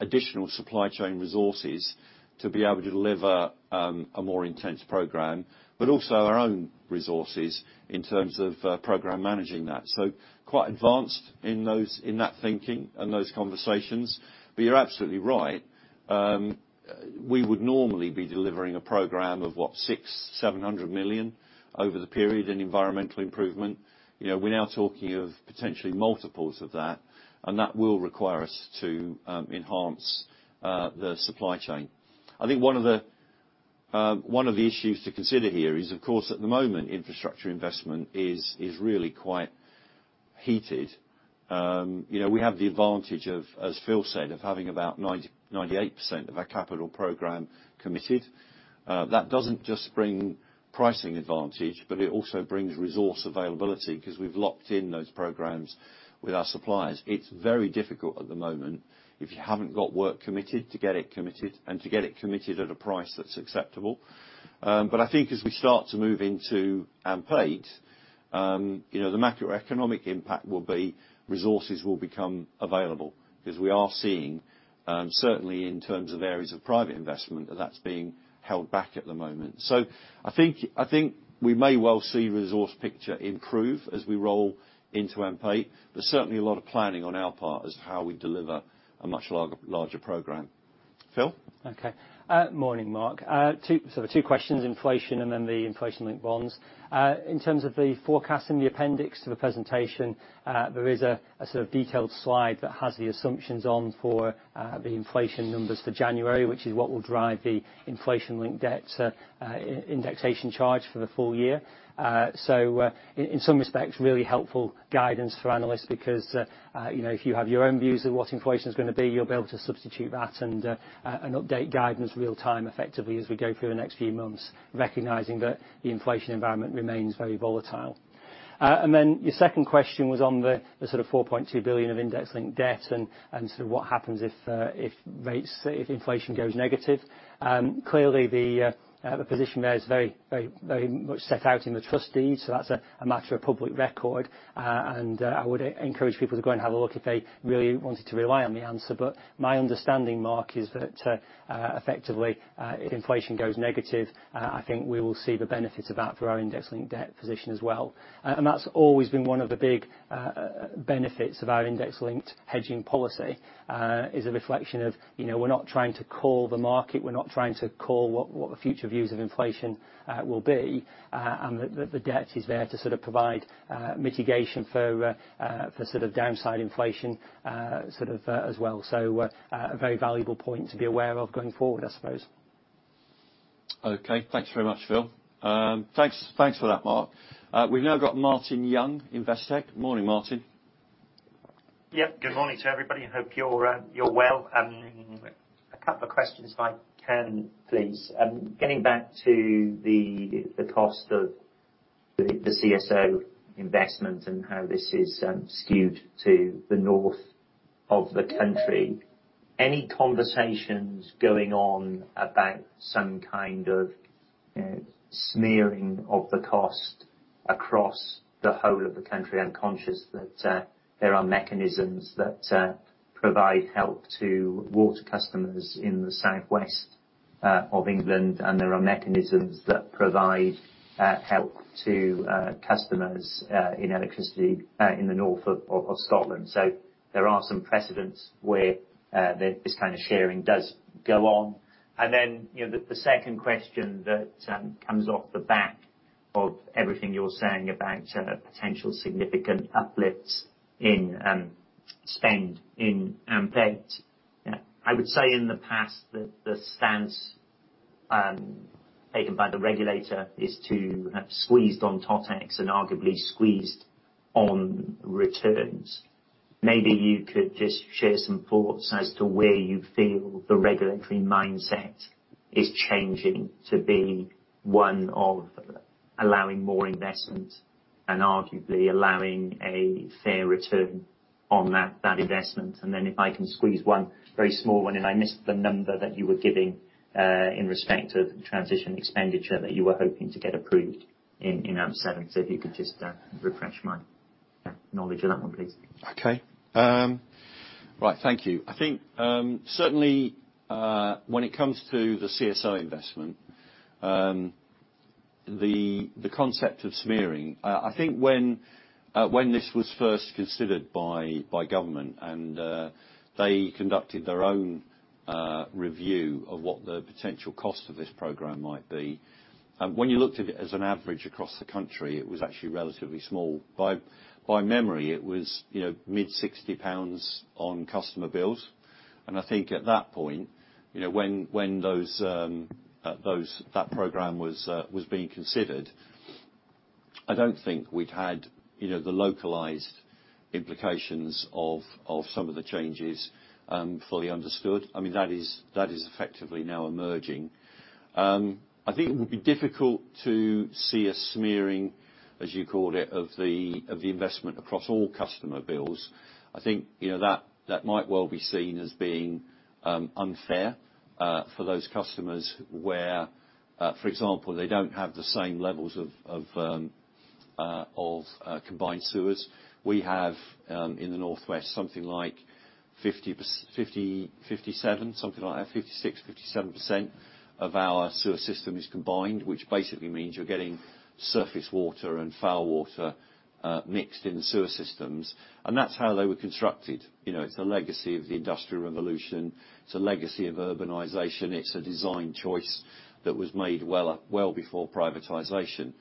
additional supply chain resources to be able to deliver a more intense program, but also our own resources in terms of program managing that. Quite advanced in those, in that thinking and those conversations. You're absolutely right. We would normally be delivering a program of what? 600 million- 700 million over the period in environmental improvement. You know, we're now talking of potentially multiples of that, and that will require us to enhance the supply chain. One of the issues to consider here is of course, at the moment, infrastructure investment is really quite heated. You know, we have the advantage of, as Phil said, of having about 90%-98% of our capital program committed. That doesn't just bring pricing advantage, but it also brings resource availability because we've locked in those programs with our suppliers. It's very difficult at the moment if you haven't got work committed, to get it committed, and to get it committed at a price that's acceptable. I think as we start to move into AMP8, you know, the macroeconomic impact will be resources will become available because we are seeing, certainly in terms of areas of private investment, that that's being held back at the moment. I think, I think we may well see resource picture improve as we roll into AMP8. There's certainly a lot of planning on our part as to how we deliver a much larger program. Phil? Okay. Morning, Mark. Two questions, inflation and then the inflation-linked bonds. In terms of the forecast in the appendix to the presentation, there is a sort of detailed slide that has the assumptions on for the inflation numbers for January, which is what will drive the inflation-linked debts indexation charge for the full year. In some respects, really helpful guidance for analysts because, you know, if you have your own views of what inflation is gonna be, you'll be able to substitute that and update guidance real-time effectively as we go through the next few months, recognizing that the inflation environment remains very volatile. Then your second question was on the sort of 4.2 billion of index-linked debt and so what happens if inflation goes negative. Clearly the position there is very, very, very much set out in the trust deed, so that's a matter of public record. I would encourage people to go and have a look if they really wanted to rely on the answer. My understanding, Mark, is that effectively if inflation goes negative, I think we will see the benefits of that for our index-linked debt position as well. That's always been one of the big benefits of our index-linked hedging policy, is a reflection of, you know, we're not trying to call the market, we're not trying to call what the future views of inflation will be. The debt is there to sort of provide mitigation for sort of downside inflation sort of as well. A very valuable point to be aware of going forward, I suppose. Okay. Thanks very much, Phil. Thanks for that, Mark. We've now got Martin Young, Investec. Morning, Martin. Yep. Good morning to everybody. Hope you're well. A couple of questions if I can, please. Getting back to the cost of- With the CSO investment and how this is skewed to the north of the country, any conversations going on about some kind of smearing of the cost across the whole of the country? I'm conscious that there are mechanisms that provide help to water customers in the southwest of England, and there are mechanisms that provide help to customers in electricity in the north of Scotland. There are some precedents where this kind of sharing does go on. You know, the second question that comes off the back of everything you're saying about potential significant uplifts in spend in AMP8. I would say in the past that the stance taken by the regulator is to have squeezed on TOTEX and arguably squeezed on returns. Maybe you could just share some thoughts as to where you feel the regulatory mindset is changing to be one of allowing more investment and arguably allowing a fair return on that investment. Then if I can squeeze one very small one, and I missed the number that you were giving, in respect of transition expenditure that you were hoping to get approved in AMP7. If you could just, refresh my, knowledge of that one, please. Okay. Right. Thank you. I think certainly when it comes to the CSO investment, the concept of smearing, I think when this was first considered by government and they conducted their own review of what the potential cost of this program might be, when you looked at it as an average across the country, it was actually relatively small. By memory, it was, you know, mid 60 GBP on customer bills. I think at that point, you know, when that program was being considered, I don't think we'd had, you know, the localized implications of some of the changes fully understood. I mean, that is effectively now emerging. I think it would be difficult to see a smearing, as you called it, of the investment across all customer bills. I think, you know, that might well be seen as being unfair for those customers where, for example, they don't have the same levels of combined sewers. We have in the North West something like 50, 57%, something like that, 56%, 57% of our sewer system is combined, which basically means you're getting surface water and foul water mixed in the sewer systems. That's how they were constructed. You know, it's a legacy of the Industrial Revolution. It's a legacy of urbanization. It's a design choice that was made well, well before privatization.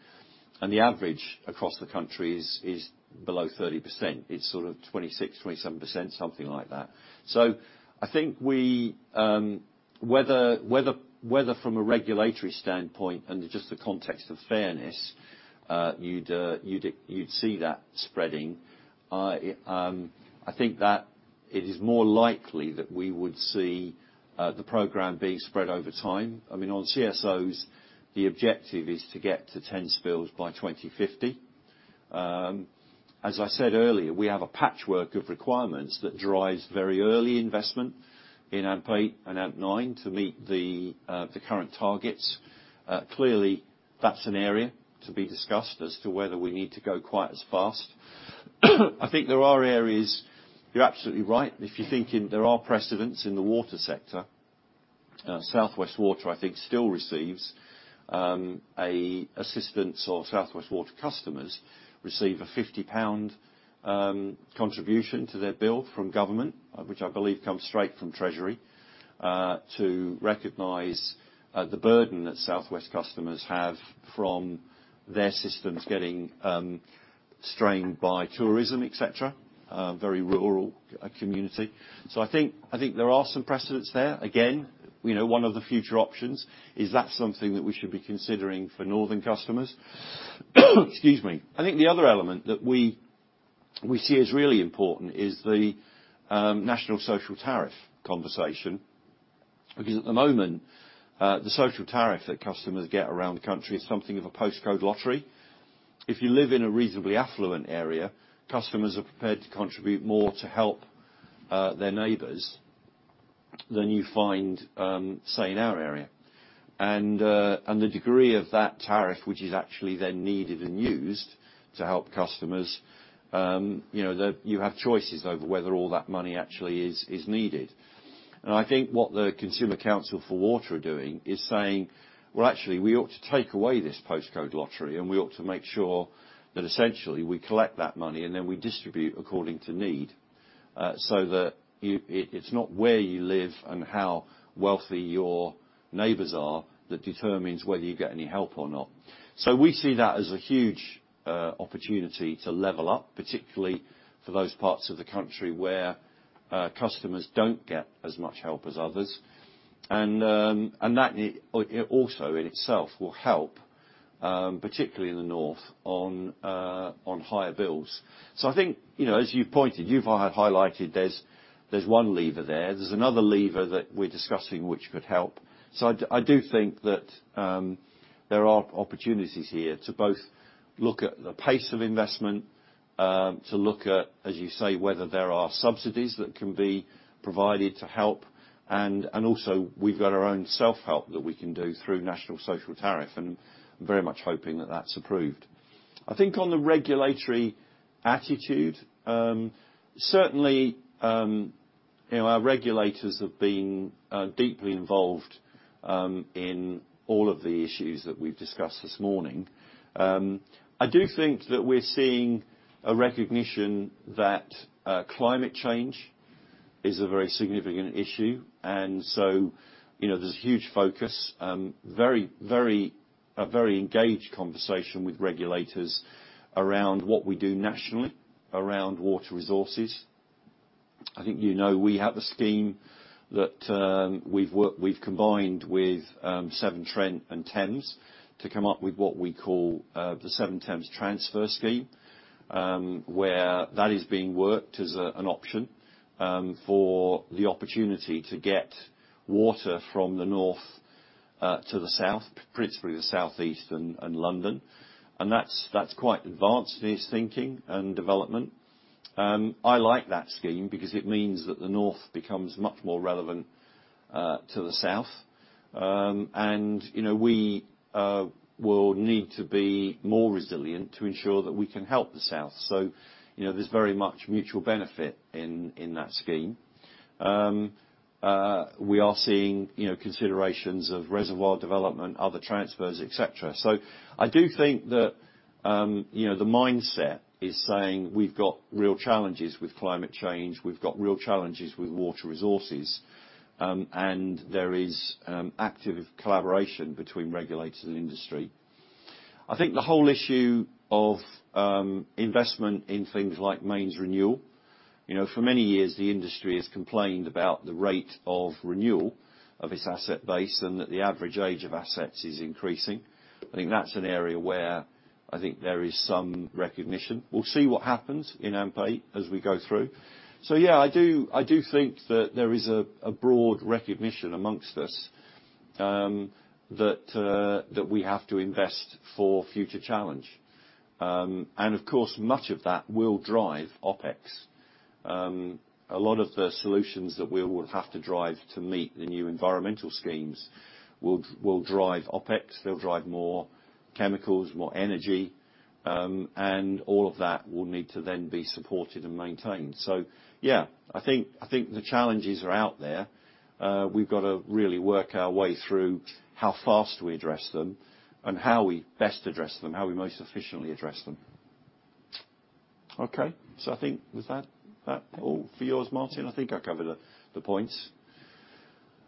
The average across the country is below 30%. It's sort of 26%, 27%, something like that. I think we, whether, whether from a regulatory standpoint and just the context of fairness, you'd, you'd see that spreading. I think that it is more likely that we would see, the program being spread over time. I mean, on CSOs, the objective is to get to 10 spills by 2050. As I said earlier, we have a patchwork of requirements that drives very early investment in AMP8 and AMP9 to meet the current targets. That's an area to be discussed as to whether we need to go quite as fast. I think there are areas... You're absolutely right. If you're thinking there are precedents in the water sector, South West Water, I think still receives a assistance or South West Water customers receive a 50 pound contribution to their bill from government, which I believe comes straight from Treasury, to recognize the burden that South West customers have from their systems getting strained by tourism, et cetera, very rural community. I think there are some precedents there. Again, you know, one of the future options is that something that we should be considering for northern customers. Excuse me. I think the other element that we see as really important is the national social tariff conversation. At the moment, the social tariff that customers get around the country is something of a postcode lottery. If you live in a reasonably affluent area, customers are prepared to contribute more to help their neighbors than you find, say, in our area. The degree of that tariff, which is actually then needed and used to help customers, you know, you have choices over whether all that money actually is needed. I think what the Consumer Council for Water are doing is saying, "Well, actually, we ought to take away this postcode lottery, and we ought to make sure that essentially we collect that money, and then we distribute according to need, so that you... it's not where you live and how wealthy your neighbors are that determines whether you get any help or not." We see that as a huge opportunity to level up, particularly for those parts of the country where customers don't get as much help as others. That also in itself will help particularly in the north on higher bills. I think, you know, as you pointed, you've highlighted, there's one lever there. There's another lever that we're discussing which could help. I do think that there are opportunities here to both look at the pace of investment. To look at, as you say, whether there are subsidies that can be provided to help. Also we've got our own self-help that we can do through National Social Tariff, and I'm very much hoping that that's approved. I think on the regulatory attitude, certainly, you know, our regulators have been deeply involved in all of the issues that we've discussed this morning. I do think that we're seeing a recognition that climate change is a very significant issue. You know, there's huge focus, a very engaged conversation with regulators around what we do nationally, around water resources. I think you know we have a scheme that we've combined with Severn Trent and Thames to come up with what we call the Severn Thames Transfer Scheme. Where that is being worked as an option for the opportunity to get water from the North to the South, principally the Southeast and London. That's quite advanced, this thinking and development. I like that scheme because it means that the North becomes much more relevant to the South. You know, we will need to be more resilient to ensure that we can help the South. You know, there's very much mutual benefit in that scheme. We are seeing, you know, considerations of reservoir development, other transfers, et cetera. I do think that, you know, the mindset is saying we've got real challenges with climate change, we've got real challenges with water resources. There is active collaboration between regulators and industry. I think the whole issue of investment in things like mains renewal. You know, for many years the industry has complained about the rate of renewal of its asset base, and that the average age of assets is increasing. I think that's an area where I think there is some recognition. We'll see what happens in AMP8 as we go through. Yeah, I do think that there is a broad recognition amongst us that we have to invest for future challenge. Of course, much of that will drive OpEx. A lot of the solutions that we'll have to drive to meet the new environmental schemes will drive OpEx. They'll drive more chemicals, more energy. All of that will need to then be supported and maintained. Yeah, I think the challenges are out there. We've got to really work our way through how fast we address them, and how we best address them, how we most efficiently address them. Okay. I think with that all for yours, Martin? I think I covered the points.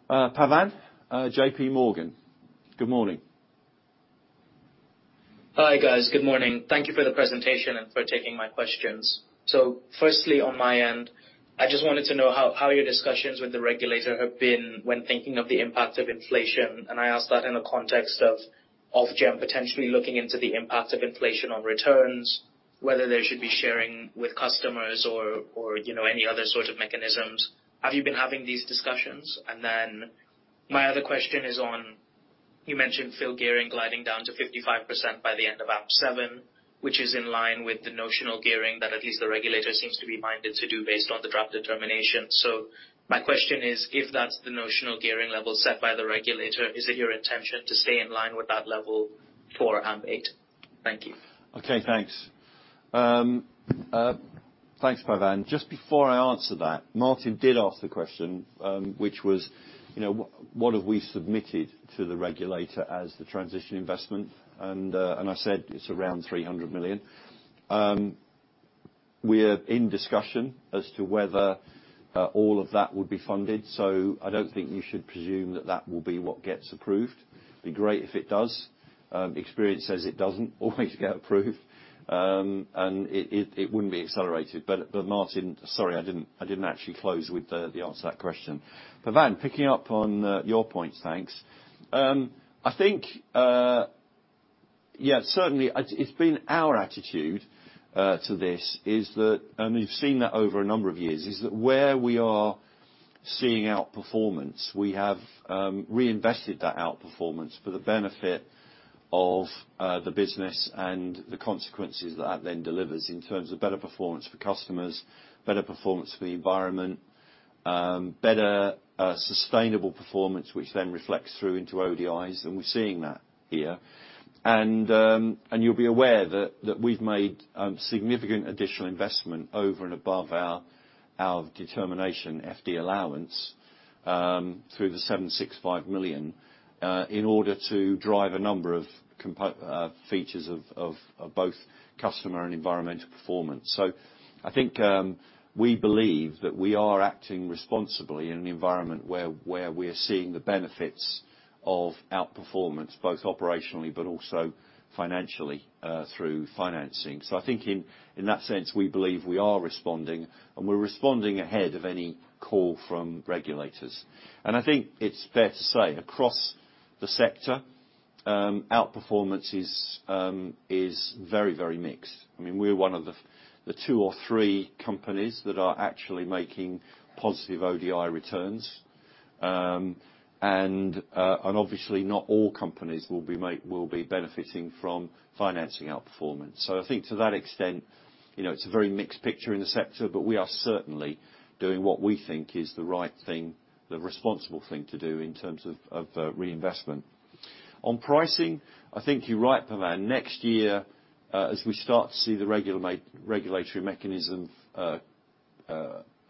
Pavan, JP Morgan. Good morning. Hi, guys. Good morning. Thank you for the presentation and for taking my questions. Firstly, on my end, I just wanted to know how your discussions with the regulator have been when thinking of the impact of inflation, and I ask that in the context of Ofgem potentially looking into the impact of inflation on returns. Whether they should be sharing with customers or, you know, any other sort of mechanisms? Have you been having these discussions? My other question is on, you mentioned field gearing gliding down to 55% by the end of AMP7, which is in line with the notional gearing that at least the regulator seems to be minded to do based on the draft determination. My question is: If that's the notional gearing level set by the regulator, is it your intention to stay in line with that level for AMP8? Thank you. Okay, thanks. Thanks, Pavan. Just before I answer that, Martin did ask the question, which was, you know, what have we submitted to the regulator as the transition investment? I said it's around 300 million. We're in discussion as to whether all of that would be funded, so I don't think you should presume that that will be what gets approved. Be great if it does. Experience says it doesn't always get approved. It wouldn't be accelerated. Martin, sorry, I didn't actually close with the answer to that question. Pavan, picking up on your points, thanks. I think, yeah, certainly it's been our attitude to this is that, and we've seen that over a number of years, is that where we are seeing outperformance, we have reinvested that outperformance for the benefit of the business and the consequences that then delivers in terms of better performance for customers, better performance for the environment. Better sustainable performance, which then reflects through into ODIs, and we're seeing that here. You'll be aware that we've made significant additional investment over and above our determination FD allowance, through the 765 million, in order to drive a number of features of both customer and environmental performance. We believe that we are acting responsibly in an environment where we're seeing the benefits of outperformance, both operationally but also financially, through financing. In that sense, we believe we are responding, and we're responding ahead of any call from regulators. It's fair to say across the sector, outperformance is very, very mixed. I mean, we're one of the two or three companies that are actually making positive ODI returns. Obviously, not all companies will be benefiting from financing outperformance. To that extent, you know, it's a very mixed picture in the sector, but we are certainly doing what we think is the right thing, the responsible thing to do in terms of reinvestment. On pricing, I think you're right, Pavan. Next year, as we start to see the regulatory mechanism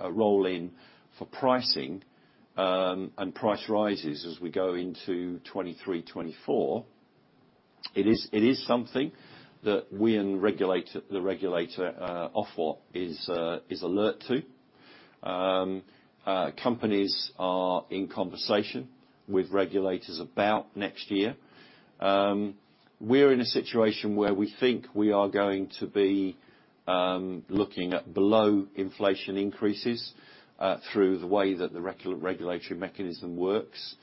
roll in for pricing, and price rises as we go into 2023, 2024, it is something that we and the regulator, Ofwat, is alert to. Companies are in conversation with regulators about next year. We're in a situation where we think we are going to be looking at below inflation increases through the way that the regulatory mechanism works,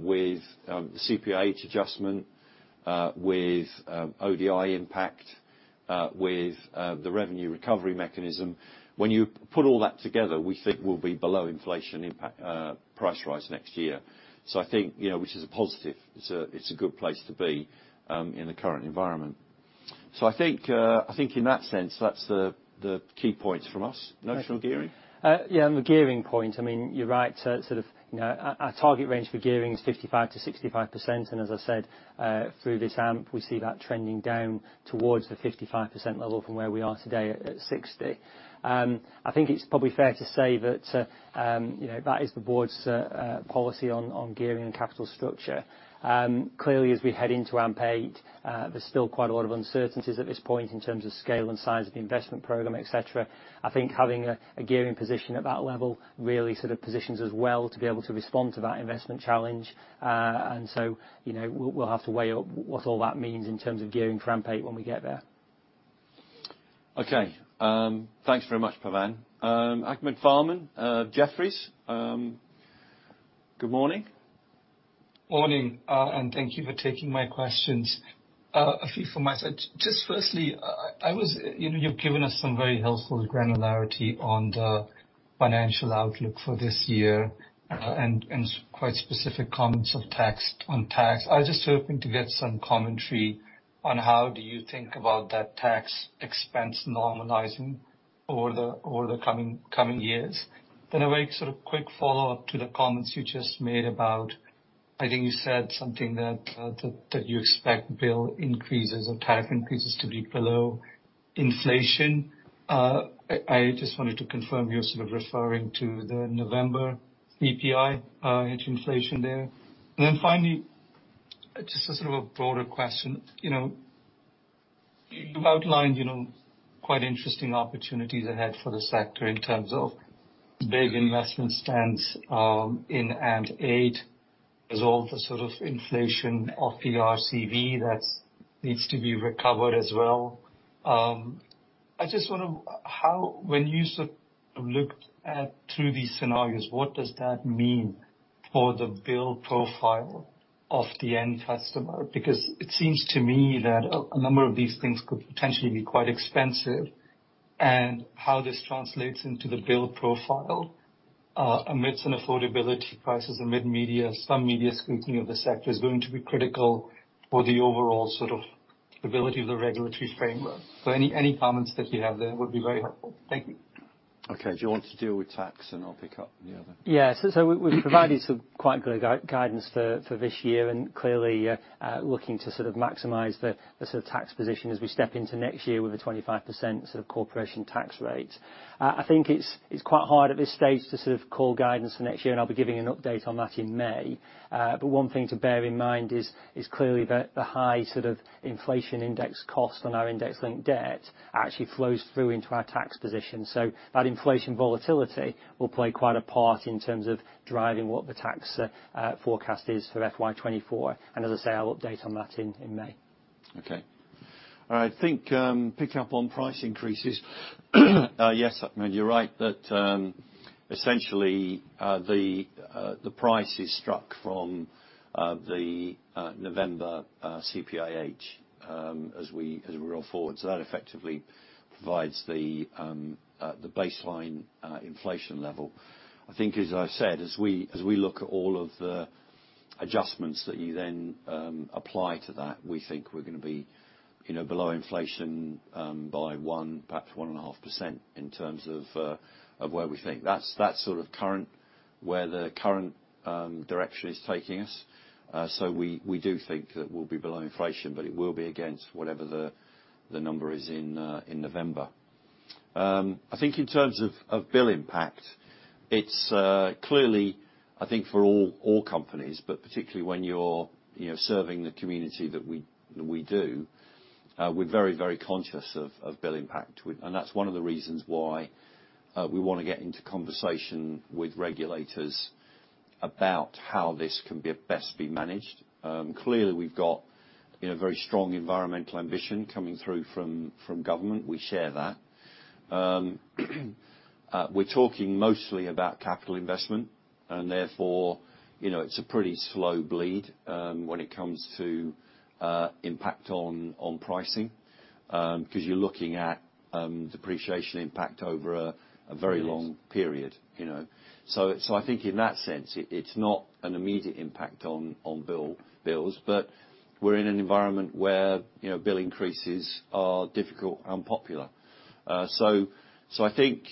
with the CPIH adjustment, with ODI impact, with the revenue recovery mechanism. When you put all that together, we think we'll be below inflation impact, price rise next year. I think, you know, which is a positive. It's a good place to be in the current environment. I think in that sense, that's the key points from us. Notes from gearing? Yeah, on the gearing point, I mean, you're right to sort of, you know, our target range for gearing is 55%-65%. As I said, through this AMP, we see that trending down towards the 55% level from where we are today at 60. I think it's probably fair to say that, you know, that is the board's policy on gearing and capital structure. Clearly, as we head into AMP8, there's still quite a lot of uncertainties at this point in terms of scale and size of the investment program, et cetera. I think having a gearing position at that level really sort of positions us well to be able to respond to that investment challenge. you know, we'll have to weigh up what all that means in terms of gearing for AMP8 when we get there. Okay. Thanks very much, Pavan. Ahmed Farman, Jefferies, good morning. Morning. Thank you for taking my questions. A few from my side. Just firstly, I was, you know, you've given us some very helpful granularity on the financial outlook for this year, and quite specific comments of tax, on tax. I was just hoping to get some commentary on how do you think about that tax expense normalizing over the coming years. A very sort of quick follow-up to the comments you just made about, I think you said something that you expect bill increases or tariff increases to be below inflation. I just wanted to confirm you're sort of referring to the November CPIH inflation there. Finally, just a sort of a broader question. You know, you've outlined, you know, quite interesting opportunities ahead for the sector in terms of big investment stands, in AMP8. There's all the sort of inflation of the RCV that's needs to be recovered as well. I just wonder how when you sort of looked at through these scenarios, what does that mean for the bill profile of the end customer? Because it seems to me that a number of these things could potentially be quite expensive, and how this translates into the bill profile, amidst an affordability crisis, amid media, some media scrutiny of the sector is going to be critical for the overall sort of ability of the regulatory framework. Any comments that you have there would be very helpful. Thank you. Okay. Do you want to deal with tax, and I'll pick up the other? We've provided some quite clear guidance for this year, clearly looking to sort of maximize the sort of tax position as we step into next year with a 25% sort of corporation tax rate. I think it's quite hard at this stage to sort of call guidance for next year. I'll be giving an update on that in May. One thing to bear in mind is clearly the high sort of inflation index cost on our index linked debt actually flows through into our tax position. That inflation volatility will play quite a part in terms of driving what the tax forecast is for FY 2024. As I say, I'll update on that in May. Okay. All right. I think, picking up on price increases. Yes, Ahmed, you're right that, essentially, the price is struck from the November CPIH as we roll forward. That effectively provides the baseline inflation level. I think, as I've said, as we look at all of the adjustments that you then apply to that, we think we're gonna be, you know, below inflation, by one perhaps 1.5% in terms of where we think. That's sort of current, where the current direction is taking us. We do think that we'll be below inflation, but it will be against whatever the number is in November. I think in terms of bill impact, it's clearly, I think for all companies, but particularly when you're, you know, serving the community that we do, we're very, very conscious of bill impact. That's one of the reasons why we wanna get into conversation with regulators about how this can be best be managed. Clearly, we've got, you know, very strong environmental ambition coming through from government. We share that. We're talking mostly about capital investment. Therefore, you know, it's a pretty slow bleed when it comes to impact on pricing, 'cause you're looking at depreciation impact over a very long period, you know. I think in that sense, it's not an immediate impact on bills, but we're in an environment where, you know, bill increases are difficult, unpopular. I think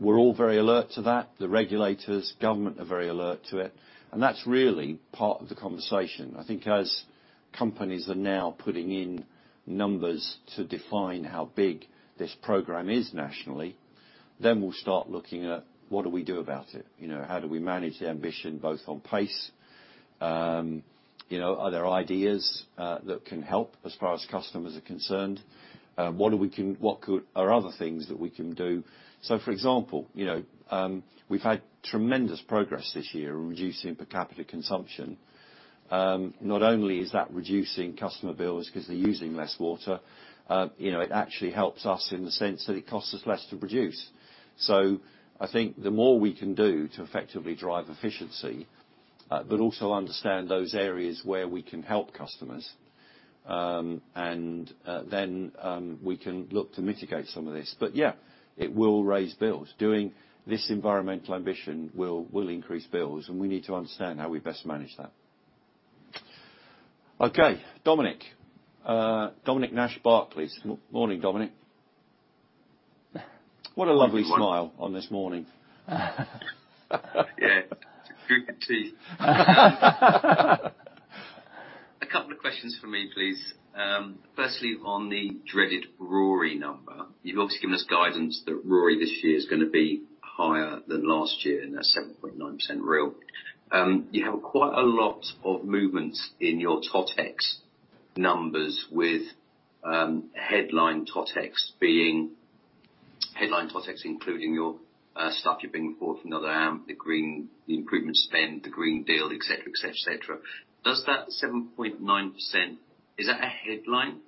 we're all very alert to that. The regulators, government are very alert to it, and that's really part of the conversation. I think as companies are now putting in numbers to define how big this program is nationally, then we'll start looking at what do we do about it. You know, how do we manage the ambition both on pace? You know, are there ideas that can help as far as customers are concerned? What could are other things that we can do? For example, you know, we've had tremendous progress this year in reducing per capita consumption. Not only is that reducing customer bills 'cause they're using less water, you know, it actually helps us in the sense that it costs us less to produce. I think the more we can do to effectively drive efficiency, but also understand those areas where we can help customers, and then we can look to mitigate some of this. Yeah, it will raise bills. Doing this environmental ambition will increase bills, and we need to understand how we best manage that. Okay. Dominic. Dominic Nash, Barclays. Morning, Dominic. What a lovely smile on this morning. Yeah. It's a good teeth. A couple of questions for me, please. Firstly, on the dreaded RoRE number, you've obviously given us guidance that RoRE this year is gonna be higher than last year, and that's 7.9% real. You have quite a lot of movements in your Totex numbers with headline Totex including your stuff you're bringing forward from the other half, the green, the improvement spend, the green bond, et cetera, et cetera, et cetera. Does that 7.9%, is that a headline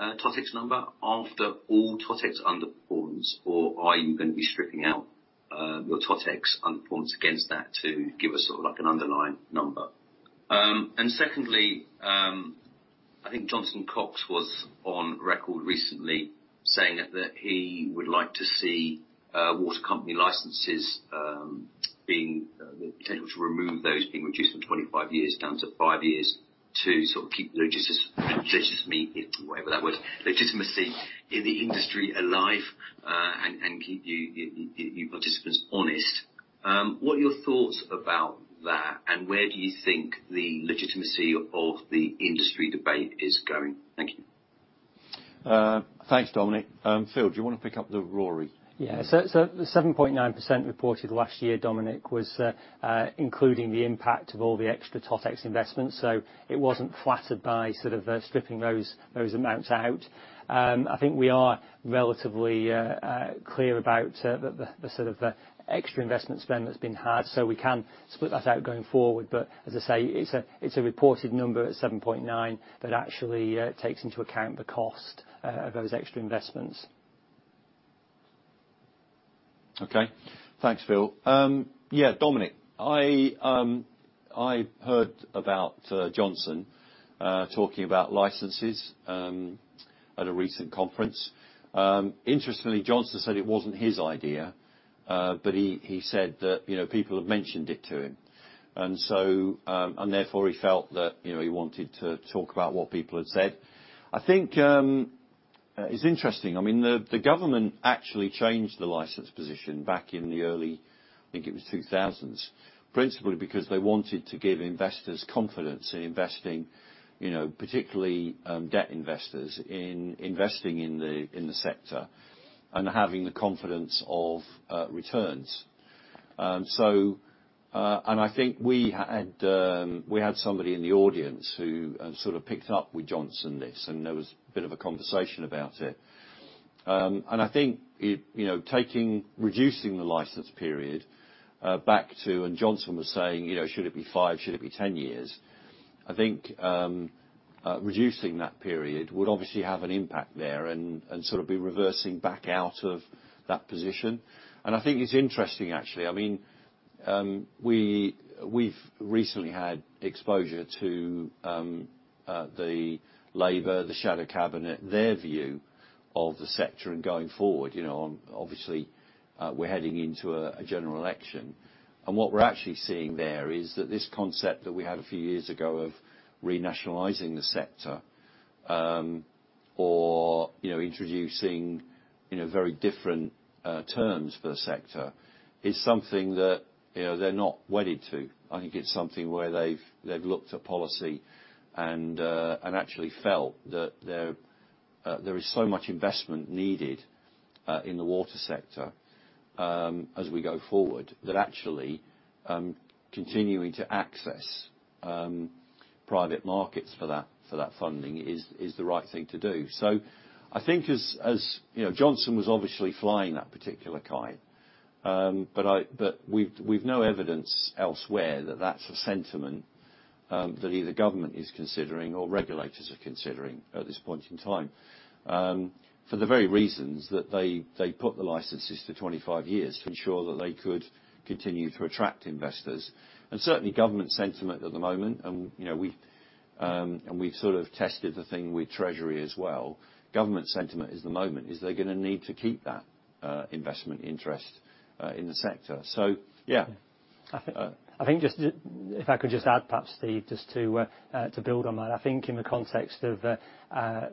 Totex number after all Totex underperforms, or are you gonna be stripping out your Totex underperforms against that to give us sort of like an underlying number? Secondly, I think Jonson Cox was on record recently saying that he would like to see water company licenses being the potential to remove those being reduced from 25 years down to five years to sort of keep legitimacy, whatever that word, legitimacy in the industry alive, and keep you participants honest. What are your thoughts about that, and where do you think the legitimacy of the industry debate is going? Thank you. Thanks, Dominic. Phil, do you wanna pick up the RoRE? Yeah. The 7.9% reported last year, Dominic, was including the impact of all the extra Totex investments, so it wasn't flattered by sort of stripping those amounts out. I think we are relatively clear about the sort of the extra investment spend that's been had, so we can split that out going forward. As I say, it's a reported number at 7.9 that actually takes into account the cost of those extra investments. Okay. Thanks, Phil. Yeah, Dominic, I heard about Johnson talking about licenses at a recent conference. Interestingly, Johnson said it wasn't his idea, but he said that, you know, people have mentioned it to him. Therefore, he felt that, you know, he wanted to talk about what people had said. I think it's interesting. I mean, the government actually changed the license position back in the early, I think it was 2000s, principally because they wanted to give investors confidence in investing, you know, particularly debt investors in investing in the sector and having the confidence of returns. I think we had somebody in the audience who sort of picked up with Jonson this, and there was a bit of a conversation about it. I think, you know, reducing the license period back to, and Jonson was saying, you know, should it be five, should it be 10 years? I think reducing that period would obviously have an impact there and sort of be reversing back out of that position. I think it's interesting actually. I mean, we've recently had exposure to the labor, the Shadow Cabinet, their view of the sector and going forward. You know, obviously, we're heading into a general election. What we're actually seeing there is that this concept that we had a few years ago of renationalizing the sector, or, you know, introducing, you know, very different terms for the sector is something that, you know, they're not wedded to. I think it's something where they've looked at policy and actually felt that there is so much investment needed in the water sector, as we go forward, that actually, continuing to access private markets for that, for that funding is the right thing to do. I think as you know, Johnson was obviously flying that particular kite. We've no evidence elsewhere that that's a sentiment that either government is considering or regulators are considering at this point in time. For the very reasons that they put the licenses to 25 years to ensure that they could continue to attract investors. Certainly government sentiment at the moment, and you know we, and we sort of tested the thing with HM Treasury as well. Government sentiment is the moment, is they're gonna need to keep that investment interest in the sector. Yeah. I think just, if I could just add perhaps, Steve, just to build on that. I think in the context of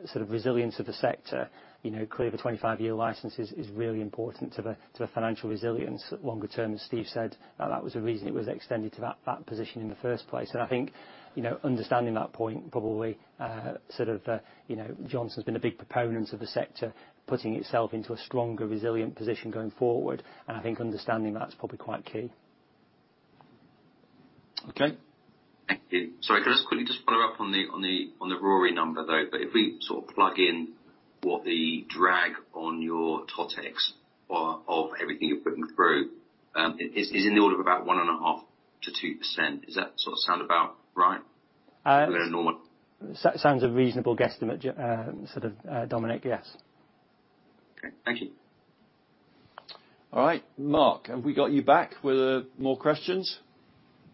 sort of resilience of the sector, you know, clear the 25-year licenses is really important to the financial resilience longer term, as Steve said, that was the reason it was extended to that position in the first place. I think, you know, understanding that point, probably sort of, you know, Jonson Cox's been a big proponent of the sector putting itself into a stronger, resilient position going forward. I think understanding that's probably quite key. Okay. Thank you. Sorry, can I just quickly follow up on the RoRE number, though? If we sort of plug in what the drag on your Totex of everything you're putting through is in the order of about 1.5%-2%, does that sort of sound about right? Uh- No? Sounds a reasonable guesstimate, sort of Dominic, yes. Okay. Thank you. All right. Mark, have we got you back with more questions?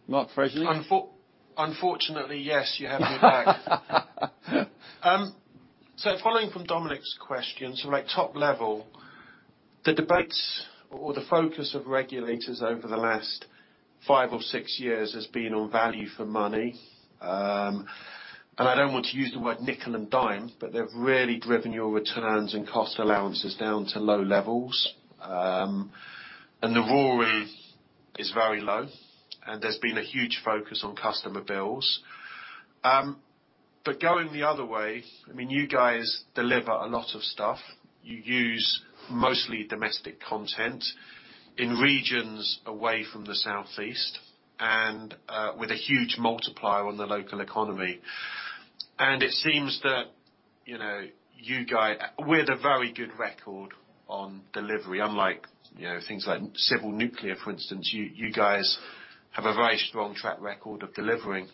Mark Fraser. Unfortunately, yes, you have me back. Following from Dominic's question, like top level, the debates or the focus of regulators over the last five or six years has been on value for money. I don't want to use the word nickel and dime, but they've really driven your returns and cost allowances down to low levels. The RoRE is very low, and there's been a huge focus on customer bills. Going the other way, I mean, you guys deliver a lot of stuff. You use mostly domestic content in regions away from the Southeast and, with a huge multiplier on the local economy. It seems that, you know, you With a very good record on delivery, unlike, you know, things like civil nuclear, for instance, you guys have a very strong track record of delivering.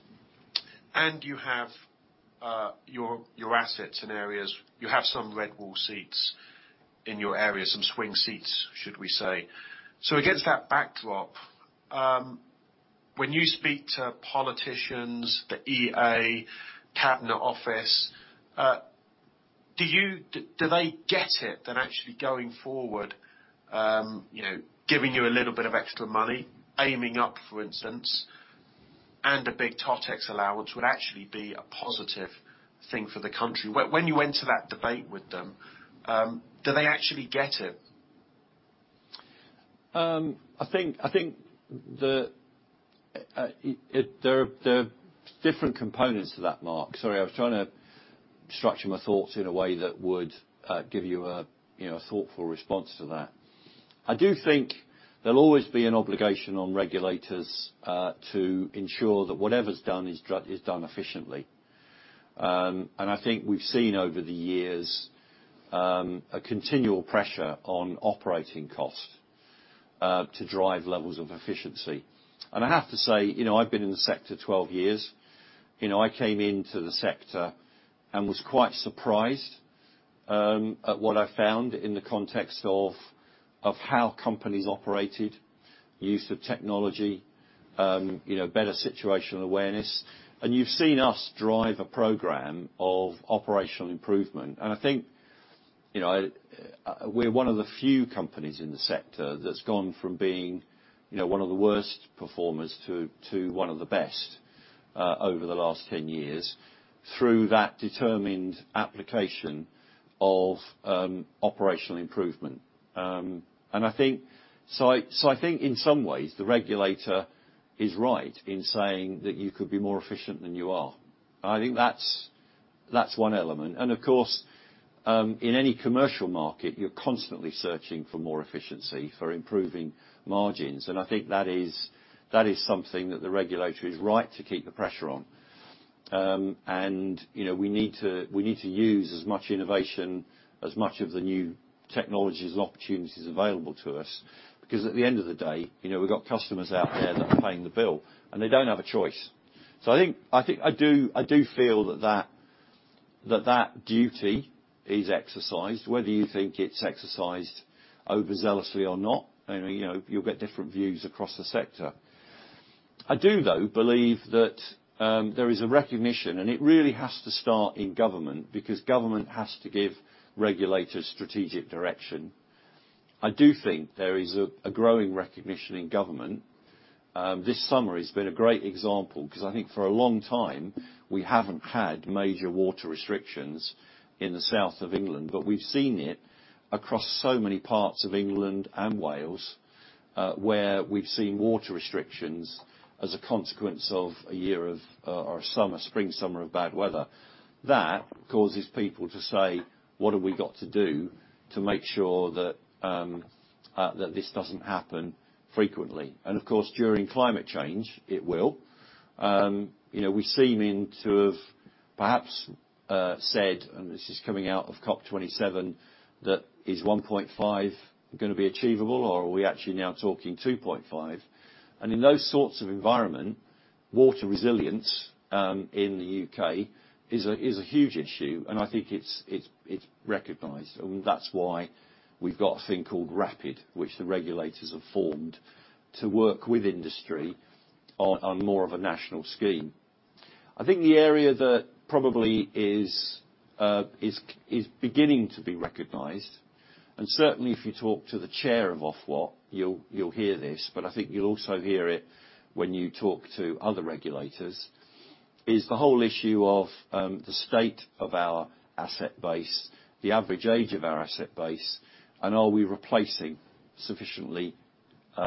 You have your assets in areas, you have some red wall seats in your area, some swing seats, should we say? Against that backdrop, when you speak to politicians, the EA, Cabinet Office, do they get it that actually going forward, you know, giving you a little bit of extra money, aiming up, for instance, and a big TotEx allowance would actually be a positive thing for the country? When you enter that debate with them, do they actually get it? I think the, it, there are different components to that, Mark. Sorry, I was trying to structure my thoughts in a way that would give you a thoughtful response to that. I do think there'll always be an obligation on regulators to ensure that whatever's done is done efficiently. I think we've seen over the years a continual pressure on operating costs to drive levels of efficiency. I have to say, you know, I've been in the sector 12 years. You know, I came into the sector and was quite surprised at what I found in the context of how companies operated, use of technology, you know, better situational awareness. You've seen us drive a program of operational improvement. I think, you know, we're one of the few companies in the sector that's gone from being, you know, one of the worst performers to one of the best over the last 10 years through that determined application of operational improvement. I think in some ways, the regulator is right in saying that you could be more efficient than you are. I think that's one element. Of course, in any commercial market, you're constantly searching for more efficiency, for improving margins. I think that is something that the regulator is right to keep the pressure on. You know, we need to use as much innovation, as much of the new technologies and opportunities available to us, because at the end of the day, you know, we've got customers out there that are paying the bill, and they don't have a choice. I think I do feel that that duty is exercised, whether you think it's exercised overzealously or not. I mean, you know, you'll get different views across the sector. I do, though, believe that there is a recognition, and it really has to start in government because government has to give regulators strategic direction. I do think there is a growing recognition in government. This summer has been a great example because I think for a long time, we haven't had major water restrictions in the South of England, but we've seen it across so many parts of England and Wales, where we've seen water restrictions as a consequence of a year of or summer, spring, summer of bad weather. That causes people to say, "What have we got to do to make sure that this doesn't happen frequently?" Of course, during climate change, it will. You know, we seem in to havePerhaps said, and this is coming out of COP27, that is 1.5 gonna be achievable or are we actually now talking 2.5? In those sorts of environment, water resilience in the U.K. is a huge issue, and I think it's, it's recognized, and that's why we've got a thing called RAPID, which the regulators have formed to work with industry on more of a national scheme. I think the area that probably is beginning to be recognized, and certainly if you talk to the chair of Ofwat, you'll hear this, but I think you'll also hear it when you talk to other regulators, is the whole issue of the state of our asset base, the average age of our asset base, and are we replacing sufficiently at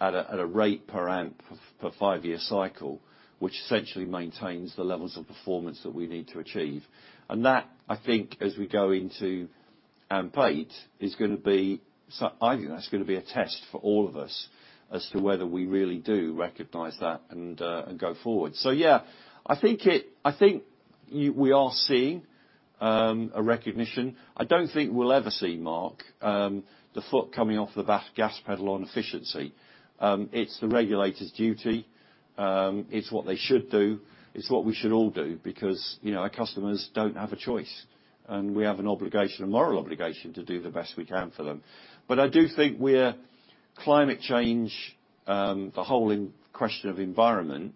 a rate per AMP for five-year cycle, which essentially maintains the levels of performance that we need to achieve. That, I think, as we go into AMP8. I think that's gonna be a test for all of us as to whether we really do recognize that and go forward. Yeah, I think we are seeing a recognition. I don't think we'll ever see, Mark, the foot coming off the gas pedal on efficiency. It's the regulator's duty. It's what they should do. It's what we should all do because, you know, our customers don't have a choice, and we have an obligation, a moral obligation to do the best we can for them. I do think we're. Climate change, the whole question of environment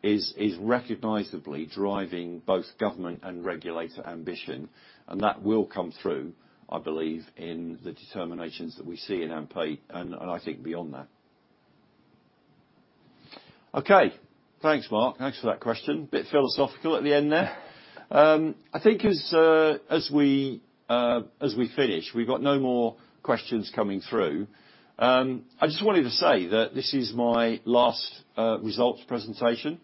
is recognizably driving both government and regulator ambition, and that will come through, I believe, in the determinations that we see in AMP8, and I think beyond that. Okay. Thanks, Mark. Thanks for that question. Bit philosophical at the end there. I think as we finish, we've got no more questions coming through. I just wanted to say that this is my last results presentation.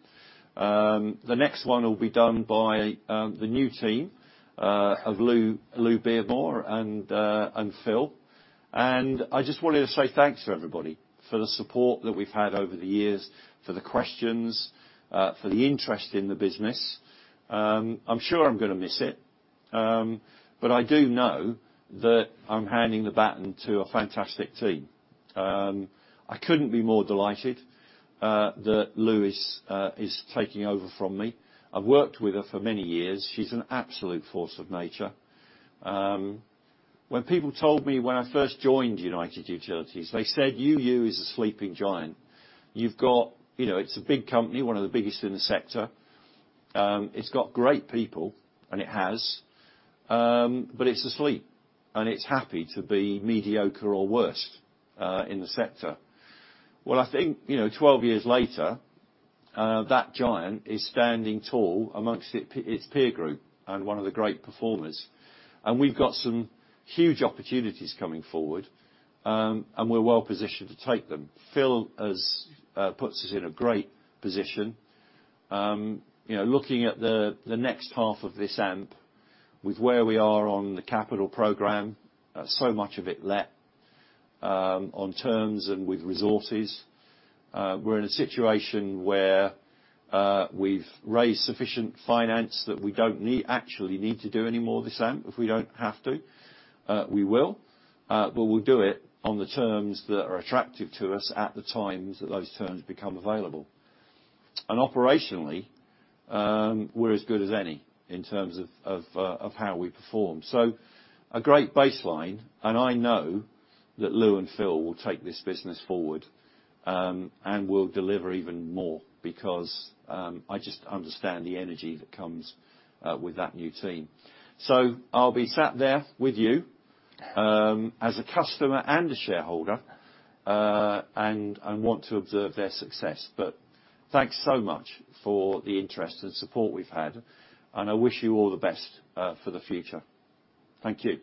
The next one will be done by the new team of Lou Beardmore and Phil. I just wanted to say thanks to everybody for the support that we've had over the years, for the questions, for the interest in the business. I'm sure I'm gonna miss it. I do know that I'm handing the baton to a fantastic team. I couldn't be more delighted that Louise is taking over from me. I've worked with her for many years. She's an absolute force of nature. When people told me when I first joined United Utilities, they said, "UU is a sleeping giant." You know, it's a big company, one of the biggest in the sector. It's got great people, and it has, but it's asleep, and it's happy to be mediocre or worse in the sector. Well, I think, you know, 12 years later, that giant is standing tall amongst its peer group and one of the great performers. We've got some huge opportunities coming forward, and we're well-positioned to take them. Phil has puts us in a great position. You know, looking at the next half of this AMP, with where we are on the capital program, so much of it let, on terms and with resources, we're in a situation where, we've raised sufficient finance that we don't actually need to do any more this AMP if we don't have to. We will, but we'll do it on the terms that are attractive to us at the times that those terms become available. Operationally, we're as good as any in terms of how we perform. A great baseline, and I know that Lou and Phil will take this business forward, and will deliver even more because, I just understand the energy that comes with that new team. I'll be sat there with you, as a customer and a shareholder, and I want to observe their success. Thanks so much for the interest and support we've had, and I wish you all the best, for the future. Thank you.